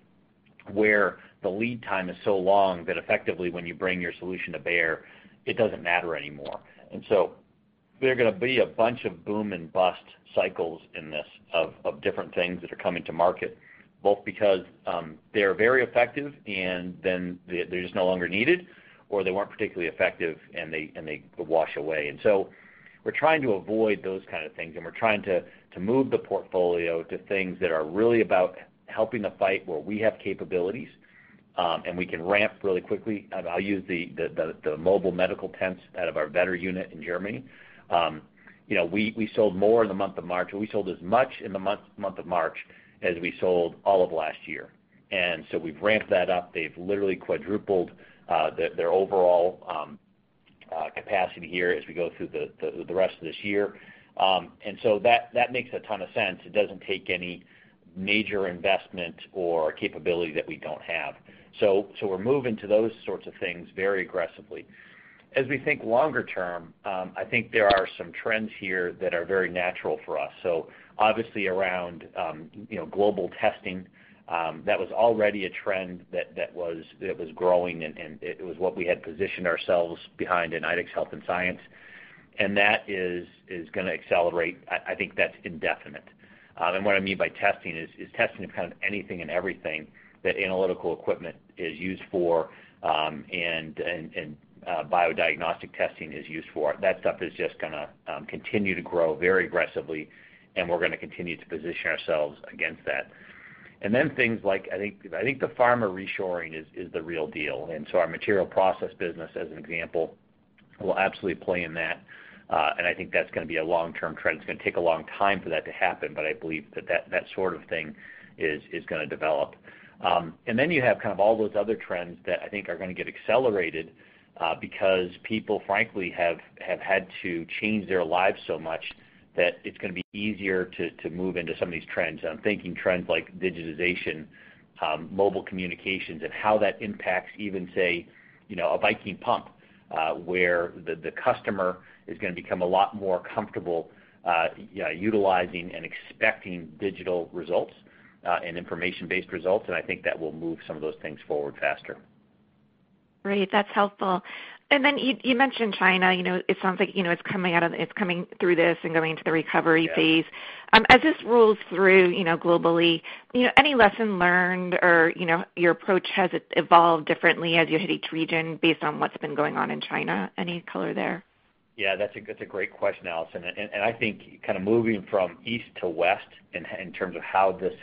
where the lead time is so long that effectively when you bring your solution to bear, it doesn't matter anymore. They're going to be a bunch of boom and bust cycles in this of different things that are coming to market, both because they are very effective and then they're just no longer needed, or they weren't particularly effective, and they wash away. We're trying to avoid those kind of things, and we're trying to move the portfolio to things that are really about helping the fight where we have capabilities, and we can ramp really quickly. I'll use the mobile medical tents out of our Vetter unit in Germany. We sold more in the month of March, or we sold as much in the month of March as we sold all of last year. We've ramped that up. They've literally quadrupled their overall capacity here as we go through the rest of this year. That makes a ton of sense. It doesn't take any major investment or capability that we don't have. We're moving to those sorts of things very aggressively. As we think longer term, I think there are some trends here that are very natural for us. Obviously around global testing, that was already a trend that was growing, and it was what we had positioned ourselves behind in IDEX Health & Science. That is going to accelerate. I think that's indefinite. What I mean by testing is, testing of kind of anything and everything that analytical equipment is used for, and bio-diagnostic testing is used for. That stuff is just going to continue to grow very aggressively, and we're going to continue to position ourselves against that. Things like, I think the pharma reshoring is the real deal. Our material process business, as an example, will absolutely play in that. I think that's going to be a long-term trend. It's going to take a long time for that to happen, but I believe that sort of thing is going to develop. You have kind of all those other trends that I think are going to get accelerated, because people frankly have had to change their lives so much that it's going to be easier to move into some of these trends. I'm thinking trends like digitization, mobile communications, and how that impacts even, say, a Viking Pump, where the customer is going to become a lot more comfortable utilizing and expecting digital results, and information-based results. I think that will move some of those things forward faster. Great. That's helpful. Then you mentioned China. It sounds like it's coming through this and going into the recovery phase. Yeah. As this rolls through globally, any lesson learned or your approach, has it evolved differently as you hit each region based on what's been going on in China? Any color there? Yeah, that's a great question, Allison. I think kind of moving from east to west in terms of how this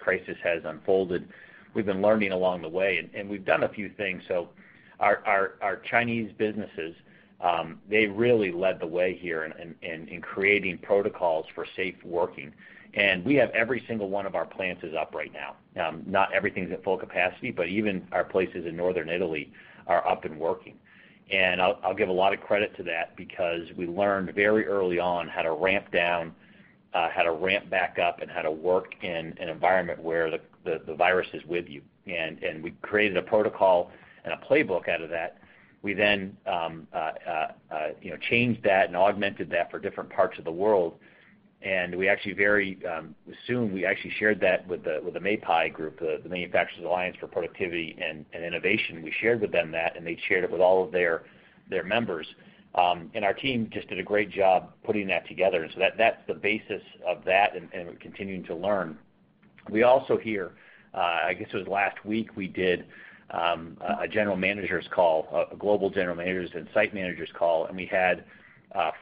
crisis has unfolded, we've been learning along the way, and we've done a few things. Our Chinese businesses, they really led the way here in creating protocols for safe working. We have every single one of our plants is up right now. Not everything's at full capacity, but even our places in Northern Italy are up and working. I'll give a lot of credit to that because we learned very early on how to ramp down how to ramp back up and how to work in an environment where the virus is with you. We created a protocol and a playbook out of that. We changed that and augmented that for different parts of the world, and we very soon shared that with the MAPI group, the Manufacturers Alliance for Productivity and Innovation. We shared with them that, and they shared it with all of their members. Our team just did a great job putting that together. That's the basis of that, and we're continuing to learn. We also hear, I guess it was last week, we did a general managers call, a global general managers and site managers call, and we had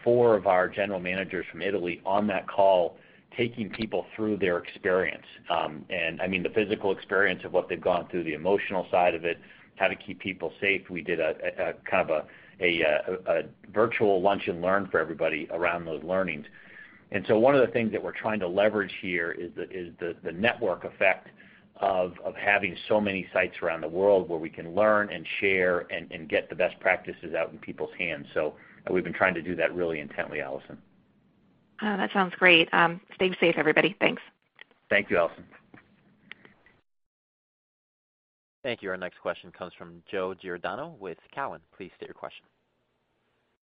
four of our general managers from Italy on that call taking people through their experience. The physical experience of what they've gone through, the emotional side of it, how to keep people safe. We did kind of a virtual lunch and learn for everybody around those learnings. One of the things that we're trying to leverage here is the network effect of having so many sites around the world where we can learn and share and get the best practices out in people's hands. We've been trying to do that really intently, Allison. Oh, that sounds great. Stay safe, everybody. Thanks. Thank you, Allison. Thank you. Our next question comes from Joe Giordano with Cowen. Please state your question.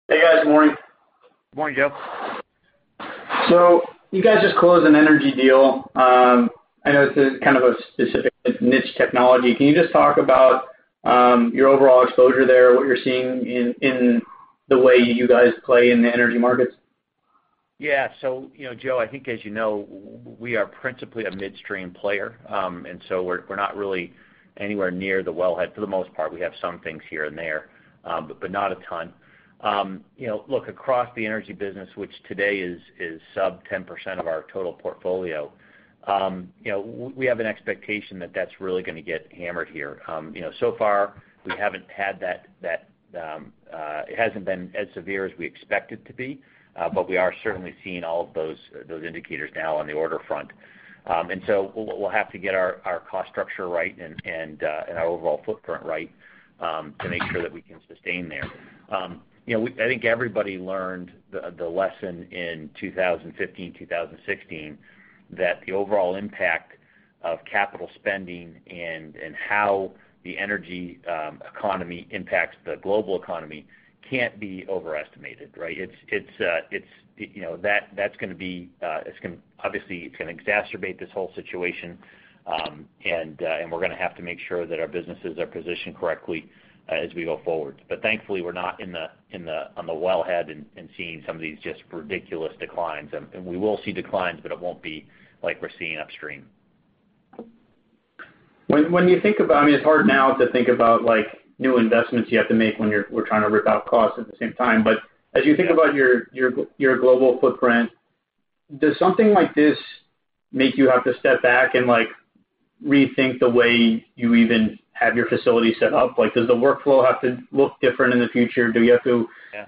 Hey, guys. Morning. Morning, Joe. You guys just closed an energy deal. I know this is kind of a specific niche technology. Can you just talk about your overall exposure there, what you're seeing in the way you guys play in the energy markets? Joe, I think, as you know, we are principally a midstream player. We're not really anywhere near the wellhead for the most part. We have some things here and there, but not a ton. Across the energy business, which today is sub 10% of our total portfolio, we have an expectation that that's really going to get hammered here. So far, it hasn't been as severe as we expected to be, but we are certainly seeing all of those indicators now on the order front. We'll have to get our cost structure right and our overall footprint right to make sure that we can sustain there. I think everybody learned the lesson in 2015, 2016 that the overall impact of capital spending and how the energy economy impacts the global economy can't be overestimated, right? Obviously, it's going to exacerbate this whole situation, and we're going to have to make sure that our businesses are positioned correctly as we go forward. Thankfully, we're not on the wellhead and seeing some of these just ridiculous declines. We will see declines, but it won't be like we're seeing upstream. I mean, it's hard now to think about new investments you have to make when we're trying to rip out costs at the same time. As you think about your global footprint, does something like this make you have to step back and rethink the way you even have your facility set up? Does the workflow have to look different in the future? Yeah.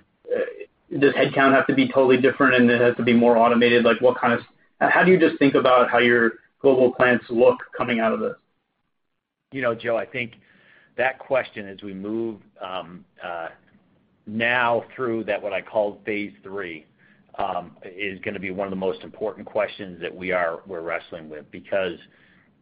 Does headcount have to be totally different, and it has to be more automated? How do you just think about how your global plants look coming out of this? Joe, I think that question, as we move now through that what I call phase III, is going to be one of the most important questions that we're wrestling with.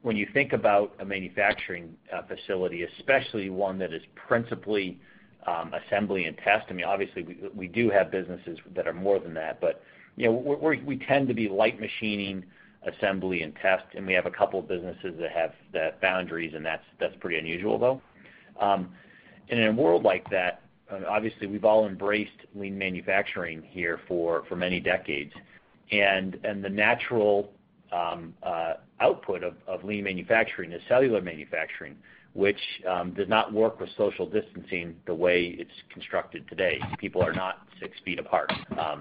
When you think about a manufacturing facility, especially one that is principally assembly and test, obviously we do have businesses that are more than that, but we tend to be light machining, assembly, and test. We have a couple of businesses that have foundries, and that's pretty unusual, though. In a world like that, obviously we've all embraced lean manufacturing here for many decades. The natural output of lean manufacturing is cellular manufacturing, which does not work with social distancing the way it's constructed today. People are not six feet apart. We're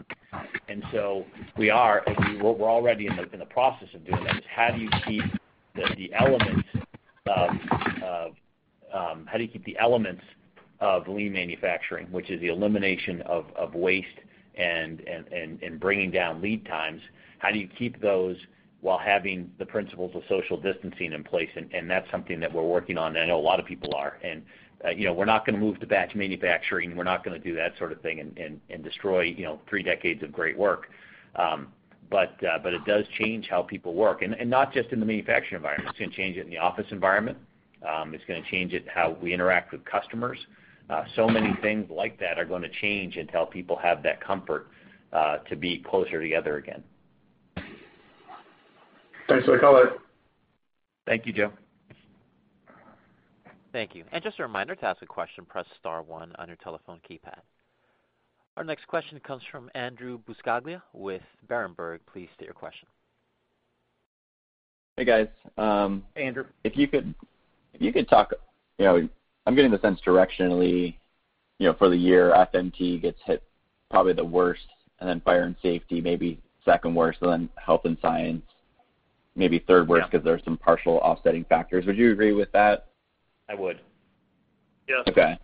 already in the process of doing this. How do you keep the elements of lean manufacturing, which is the elimination of waste and bringing down lead times, how do you keep those while having the principles of social distancing in place? That's something that we're working on, and I know a lot of people are. We're not going to move to batch manufacturing. We're not going to do that sort of thing and destroy three decades of great work. It does change how people work. Not just in the manufacturing environment. It's going to change it in the office environment. It's going to change it how we interact with customers. Many things like that are going to change until people have that comfort to be closer together again. Thanks for the color. Thank you, Joe. Thank you. Just a reminder, to ask a question, press star one on your telephone keypad. Our next question comes from Andrew Buscaglia with Berenberg. Please state your question. Hey, guys. Hey, Andrew. I'm getting the sense directionally, for the year FMT gets hit probably the worst and then Fire and Safety maybe second worst and then Health & Science maybe third worst. Yeah. Because there are some partial offsetting factors. Would you agree with that? I would. Yeah. Okay.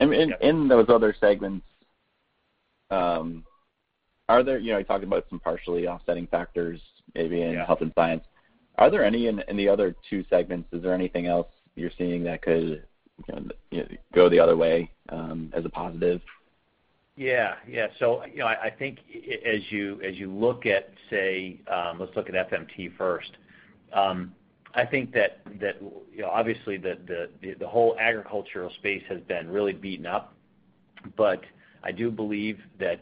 In those other segments, you talked about some partially offsetting factors, maybe? Yeah. In Health & Science. Are there any in the other two segments? Is there anything else you're seeing that could go the other way as a positive? I think as you look at, let's look at FMT first. I think that obviously the whole agricultural space has been really beaten up, but I do believe that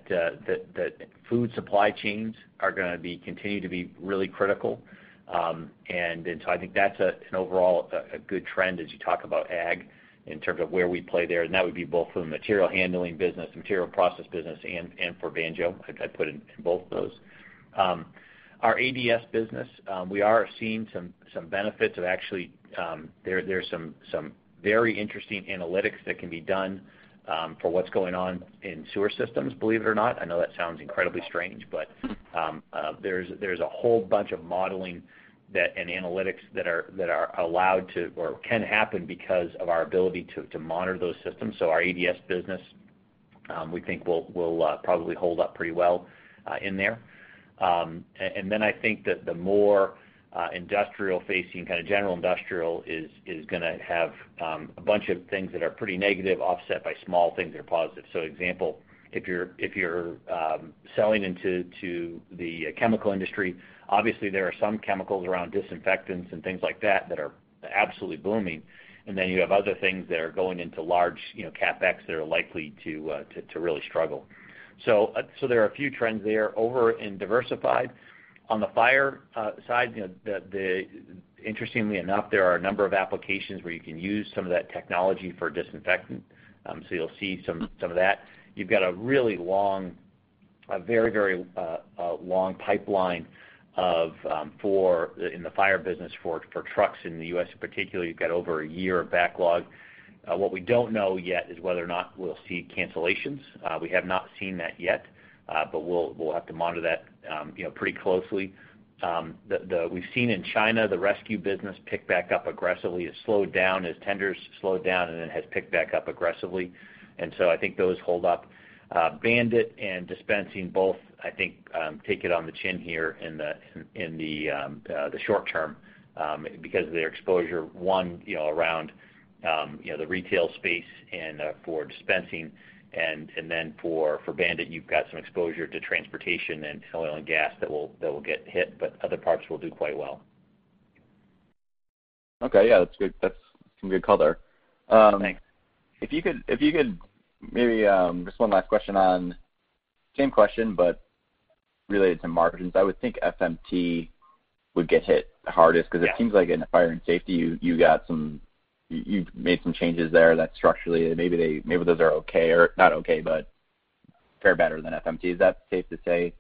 food supply chains are going to continue to be really critical. I think that's an overall a good trend as you talk about ag in terms of where we play there, and that would be both for the material handling business, material process business, and for Banjo. I put in both of those. Our ADS business, we are seeing some benefits of actually, there's some very interesting analytics that can be done for what's going on in sewer systems, believe it or not. I know that sounds incredibly strange, but there's a whole bunch of modeling and analytics that are allowed to, or can happen because of our ability to monitor those systems. Our ADS business, we think will probably hold up pretty well in there. I think that the more industrial facing, kind of general industrial, is going to have a bunch of things that are pretty negative offset by small things that are positive. Example, if you're selling into the chemical industry, obviously there are some chemicals around disinfectants and things like that that are absolutely booming. You have other things that are going into large, CapEx that are likely to really struggle. There are a few trends there. Over in diversified, on the fire side, interestingly enough, there are a number of applications where you can use some of that technology for disinfectant. You'll see some of that. You've got a really long, a very long pipeline in the fire business for trucks in the U.S. in particular. You've got over a year of backlog. What we don't know yet is whether or not we'll see cancellations. We have not seen that yet, but we'll have to monitor that pretty closely. We've seen in China, the rescue business pick back up aggressively. It slowed down as tenders slowed down, and it has picked back up aggressively. I think those hold up. BAND-IT and Dispensing both, I think, take it on the chin here in the short term because of their exposure, one, around the retail space and for Dispensing, and then for BAND-IT, you've got some exposure to transportation and oil and gas that will get hit, but other parts will do quite well. Okay. Yeah, that's some good color. Thanks. If you could maybe, just one last question on, same question, but related to margins. I would think FMT would get hit hardest because it seems like in the fire and safety, you've made some changes there that structurally maybe those are okay or not okay, but fare better than FMT. Is that safe to say?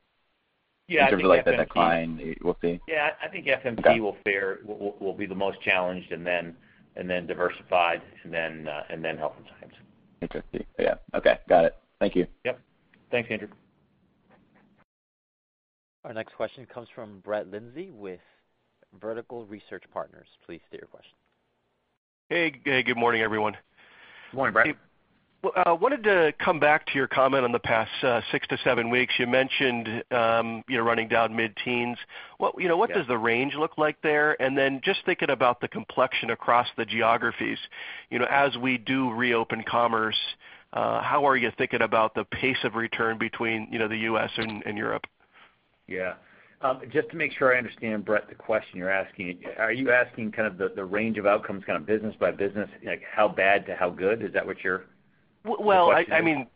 Yeah, I think. In terms of like the decline we'll see. Yeah, I think FMT will be the most challenged, and then Diversified, and then Health & Science. Interesting. Yeah. Okay. Got it. Thank you. Yep. Thanks, Andrew. Our next question comes from Brett Linzey with Vertical Research Partners. Please state your question. Hey. Good morning, everyone. Good morning, Brett. Wanted to come back to your comment on the past six to seven weeks. You mentioned running down mid-teens. Yeah. What does the range look like there? Just thinking about the complexion across the geographies, as we do reopen commerce, how are you thinking about the pace of return between the U.S. and Europe? Yeah. Just to make sure I understand, Brett, the question you're asking, are you asking kind of the range of outcomes kind of business by business, like how bad to how good? Is that what you're. Well, I mean. Asking?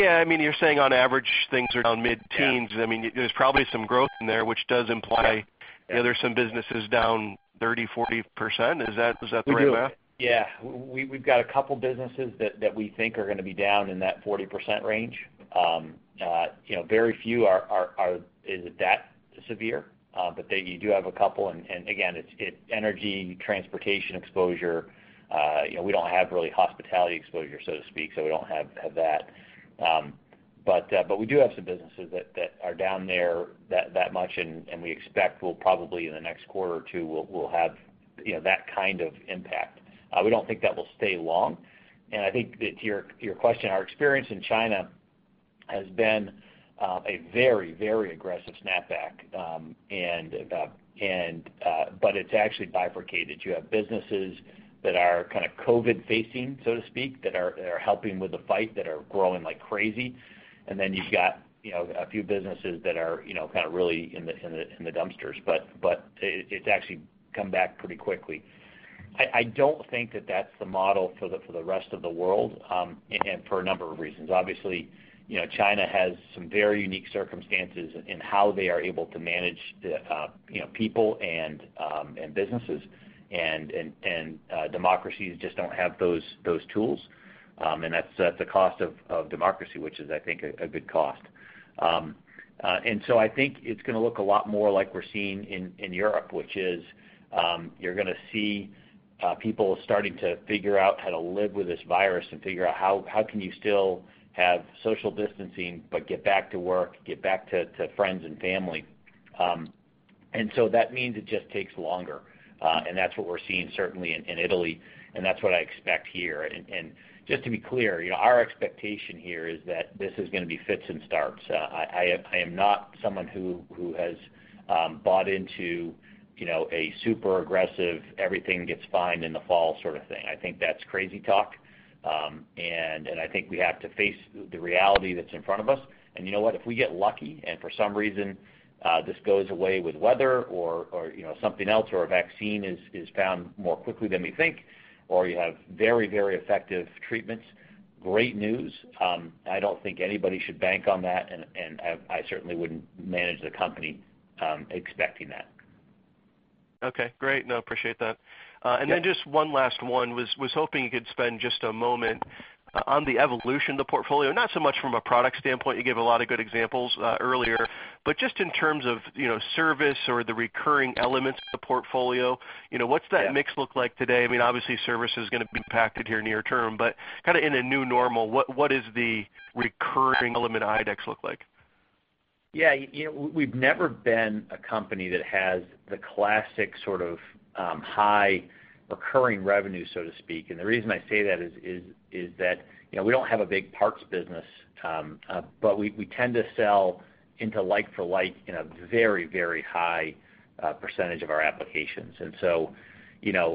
Yeah. I mean, you're saying on average, things are down mid-teens. Yeah. I mean, there's probably some growth in there, which does imply. Yeah. There's some businesses down 30%, 40%. Is that the right math? We do. Yeah. We've got a couple businesses that we think are going to be down in that 40% range. Very few is it that severe, but you do have a couple, and again, it's energy, transportation exposure. We don't have really hospitality exposure, so to speak, so we don't have that. We do have some businesses that are down there that much, and we expect we'll probably in the next quarter or two will have that kind of impact. We don't think that will stay long, and I think that to your question, our experience in China has been a very aggressive snapback, but it's actually bifurcated. You have businesses that are kind of COVID-19 facing, so to speak, that are helping with the fight that are growing like crazy. You've got a few businesses that are kind of really in the dumpsters, but it's actually come back pretty quickly. I don't think that that's the model for the rest of the world, for a number of reasons. Obviously, China has some very unique circumstances in how they are able to manage people and businesses, democracies just don't have those tools. That's the cost of democracy, which is, I think, a good cost. I think it's going to look a lot more like we're seeing in Europe, which is, you're going to see people starting to figure out how to live with this virus and figure out how can you still have social distancing but get back to work, get back to friends and family. That means it just takes longer. That's what we're seeing certainly in Italy, and that's what I expect here. Just to be clear, our expectation here is that this is going to be fits and starts. I am not someone who has bought into a super aggressive, everything gets fine in the fall sort of thing. I think that's crazy talk, and I think we have to face the reality that's in front of us. You know what? If we get lucky, and for some reason, this goes away with weather or something else, or a vaccine is found more quickly than we think, or you have very, very effective treatments, great news. I don't think anybody should bank on that, and I certainly wouldn't manage the company expecting that. Okay. Great. No, appreciate that. Yeah. Just one last one, was hoping you could spend just a moment on the evolution of the portfolio, not so much from a product standpoint, you gave a lot of good examples earlier, but just in terms of service or the recurring elements of the portfolio. Yeah. What's that mix look like today? Obviously service is going to be impacted here near term, but kind of in a new normal, what does the recurring element of IDEX look like? Yeah. We've never been a company that has the classic sort of high recurring revenue, so to speak. The reason I say that is that we don't have a big parts business. We tend to sell into like for like in a very, very high percentage of our applications. Bill,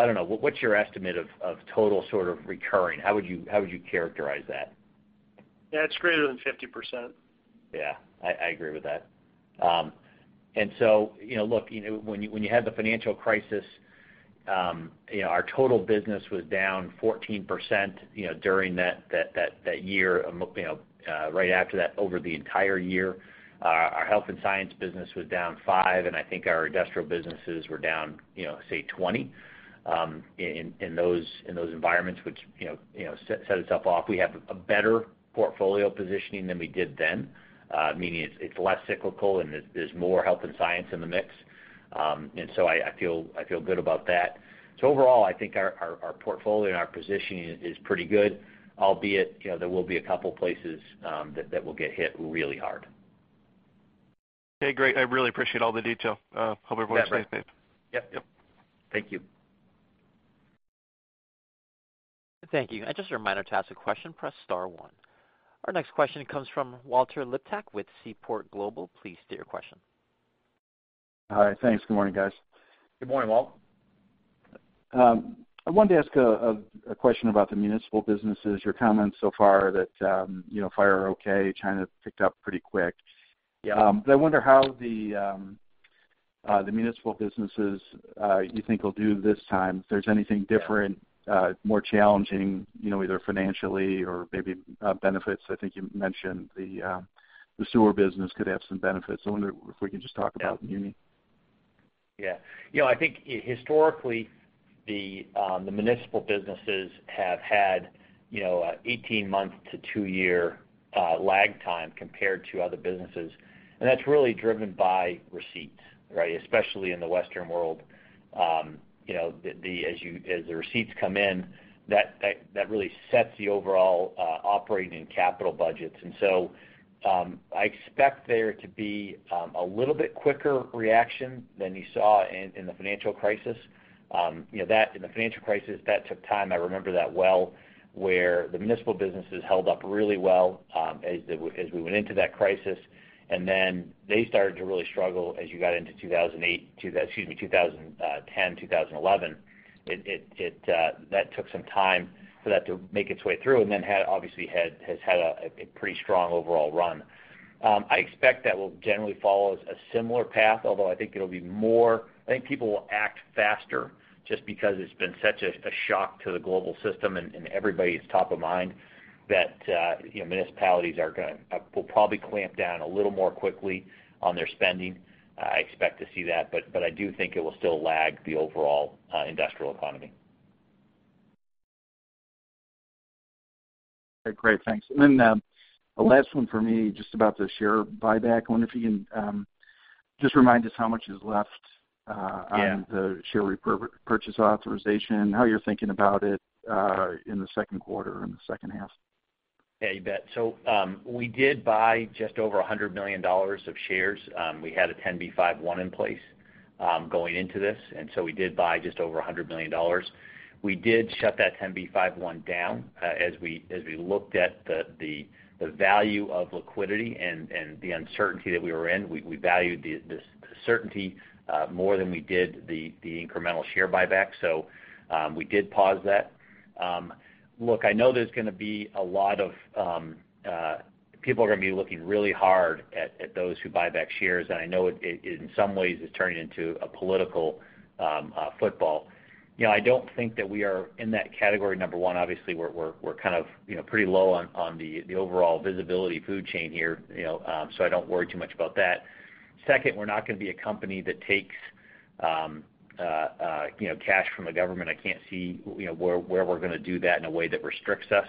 I don't know, what's your estimate of total sort of recurring? How would you characterize that? Yeah. It's greater than 50%. Yeah, I agree with that. Look, when you had the financial crisis, our total business was down 14% during that year, right after that, over the entire year. Our Health & Science business was down 5%, and I think our industrial businesses were down, say, 20%, in those environments, which set itself off. We have a better portfolio positioning than we did then, meaning it's less cyclical and there's more Health & Science in the mix. I feel good about that. Overall, I think our portfolio and our positioning is pretty good, albeit there will be a couple places that will get hit really hard. Okay, great. I really appreciate all the detail. Hope everyone stays safe. Yeah. Thank you. Thank you. Just a reminder, to ask a question, press star one. Our next question comes from Walter Liptak with Seaport Global. Please state your question. Hi. Thanks. Good morning, guys. Good morning, Walt. I wanted to ask a question about the municipal businesses, your comments so far that fire, okay, China picked up pretty quick. Yeah. I wonder how the municipal businesses you think will do this time, if there's anything different, more challenging, either financially or maybe benefits. I think you mentioned the sewer business could have some benefits. I wonder if we can just talk about muni. Yeah. I think historically, the municipal businesses have had an 18-month to two-year lag time compared to other businesses. That's really driven by receipts, right? Especially in the Western world. As the receipts come in, that really sets the overall operating and capital budgets. I expect there to be a little bit quicker reaction than you saw in the financial crisis. In the financial crisis, that took time, I remember that well, where the municipal businesses held up really well as we went into that crisis, and then they started to really struggle as you got into 2008 to, excuse me, 2010, 2011. That took some time for that to make its way through, and then obviously has had a pretty strong overall run. I expect that we'll generally follow a similar path, although I think people will act faster just because it's been such a shock to the global system and everybody's top of mind that municipalities will probably clamp down a little more quickly on their spending. I expect to see that, but I do think it will still lag the overall industrial economy. Great. Thanks. The last one for me, just about the share buyback. I wonder if you can just remind us how much is left? Yeah. On the share repurchase authorization, how you're thinking about it in the second quarter and the second half. Yeah, you bet. We did buy just over $100 million of shares. We had a 10b5-1 in place going into this, we did buy just over $100 million. We did shut that 10b5-1 down as we looked at the value of liquidity and the uncertainty that we were in. We valued the certainty more than we did the incremental share buyback. We did pause that. Look, I know people are going to be looking really hard at those who buy back shares, I know in some ways it's turning into a political football. I don't think that we are in that category. Number one, obviously we're kind of pretty low on the overall visibility food chain here, I don't worry too much about that. Second, we're not going to be a company that takes cash from the government. I can't see where we're going to do that in a way that restricts us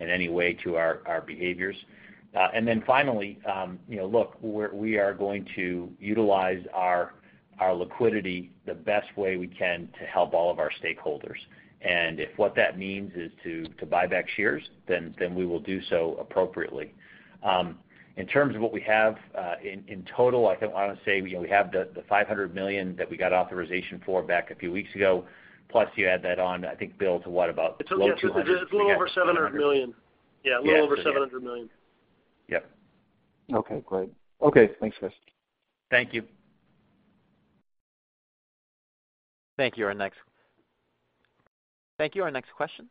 in any way to our behaviors. Finally look, we are going to utilize our liquidity the best way we can to help all of our stakeholders. If what that means is to buy back shares, then we will do so appropriately. In terms of what we have in total, I want to say we have the $500 million that we got authorization for back a few weeks ago. Plus you add that on, I think, Bill, to what about low $200? It's a little over $700 million. Yeah, a little over $700 million. Yeah. Okay, great. Okay, thanks, guys. Thank you. Thank you. Our next question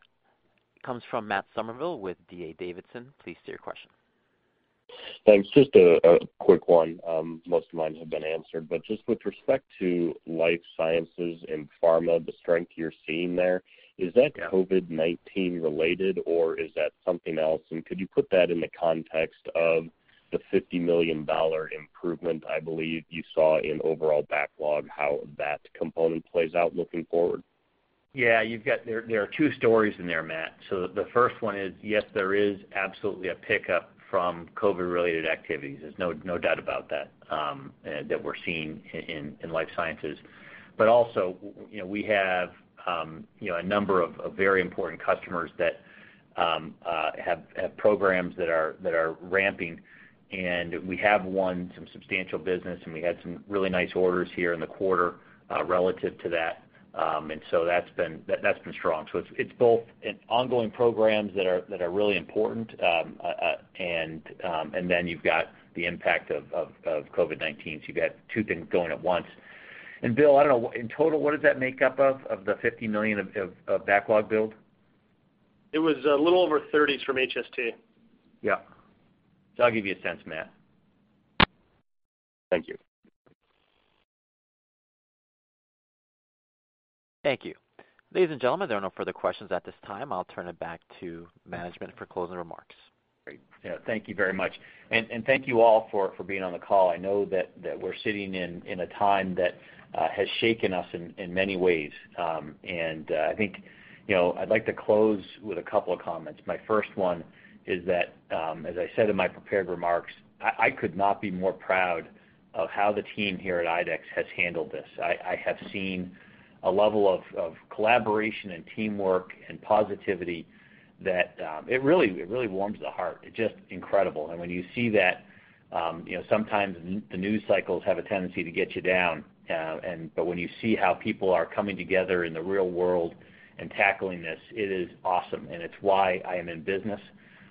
comes from Matt Summerville with D.A. Davidson. Please state your question. Thanks. Just a quick one. Most of mine have been answered, but just with respect to life sciences and pharma, the strength you're seeing there, is that COVID-19 related or is that something else? Could you put that in the context of the $50 million improvement, I believe you saw in overall backlog, how that component plays out looking forward? Yeah, there are two stories in there, Matt. The first one is, yes, there is absolutely a pickup from COVID-related activities. There's no doubt about that we're seeing in life sciences. Also, we have a number of very important customers that have programs that are ramping, and we have won some substantial business, and we had some really nice orders here in the quarter, relative to that. That's been strong. It's both in ongoing programs that are really important, and then you've got the impact of COVID-19. You've got two things going at once. Bill, I don't know, in total, what does that make up of the $50 million of backlog build? It was a little over $30 million from HST. Yeah. That'll give you a sense, Matt. Thank you. Thank you. Ladies and gentlemen, there are no further questions at this time. I'll turn it back to management for closing remarks. Great. Yeah, thank you very much. Thank you all for being on the call. I know that we're sitting in a time that has shaken us in many ways. I think, I'd like to close with a couple of comments. My first one is that, as I said in my prepared remarks, I could not be more proud of how the team here at IDEX has handled this. I have seen a level of collaboration and teamwork and positivity that it really warms the heart. It's just incredible. When you see that, sometimes the news cycles have a tendency to get you down, but when you see how people are coming together in the real world and tackling this, it is awesome, and it's why I am in business.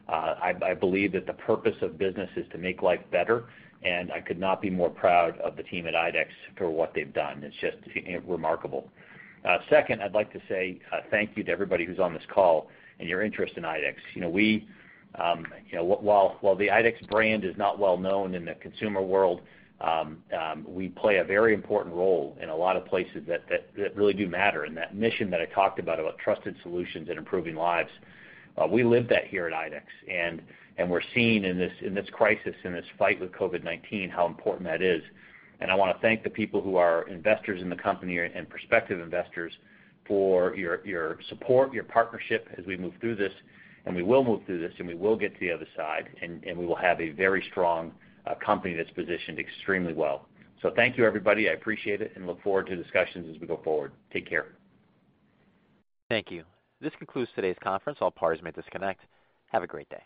I believe that the purpose of business is to make life better, and I could not be more proud of the team at IDEX for what they've done. It's just remarkable. Second, I'd like to say, thank you to everybody who's on this call and your interest in IDEX. While the IDEX brand is not well known in the consumer world, we play a very important role in a lot of places that really do matter, and that mission that I talked about, trusted solutions and improving lives, we live that here at IDEX. We're seeing in this crisis, in this fight with COVID-19, how important that is. I want to thank the people who are investors in the company and prospective investors for your support, your partnership as we move through this. We will move through this, and we will get to the other side, and we will have a very strong company that's positioned extremely well. Thank you, everybody. I appreciate it and look forward to discussions as we go forward. Take care. Thank you. This concludes today's conference. All parties may disconnect. Have a great day.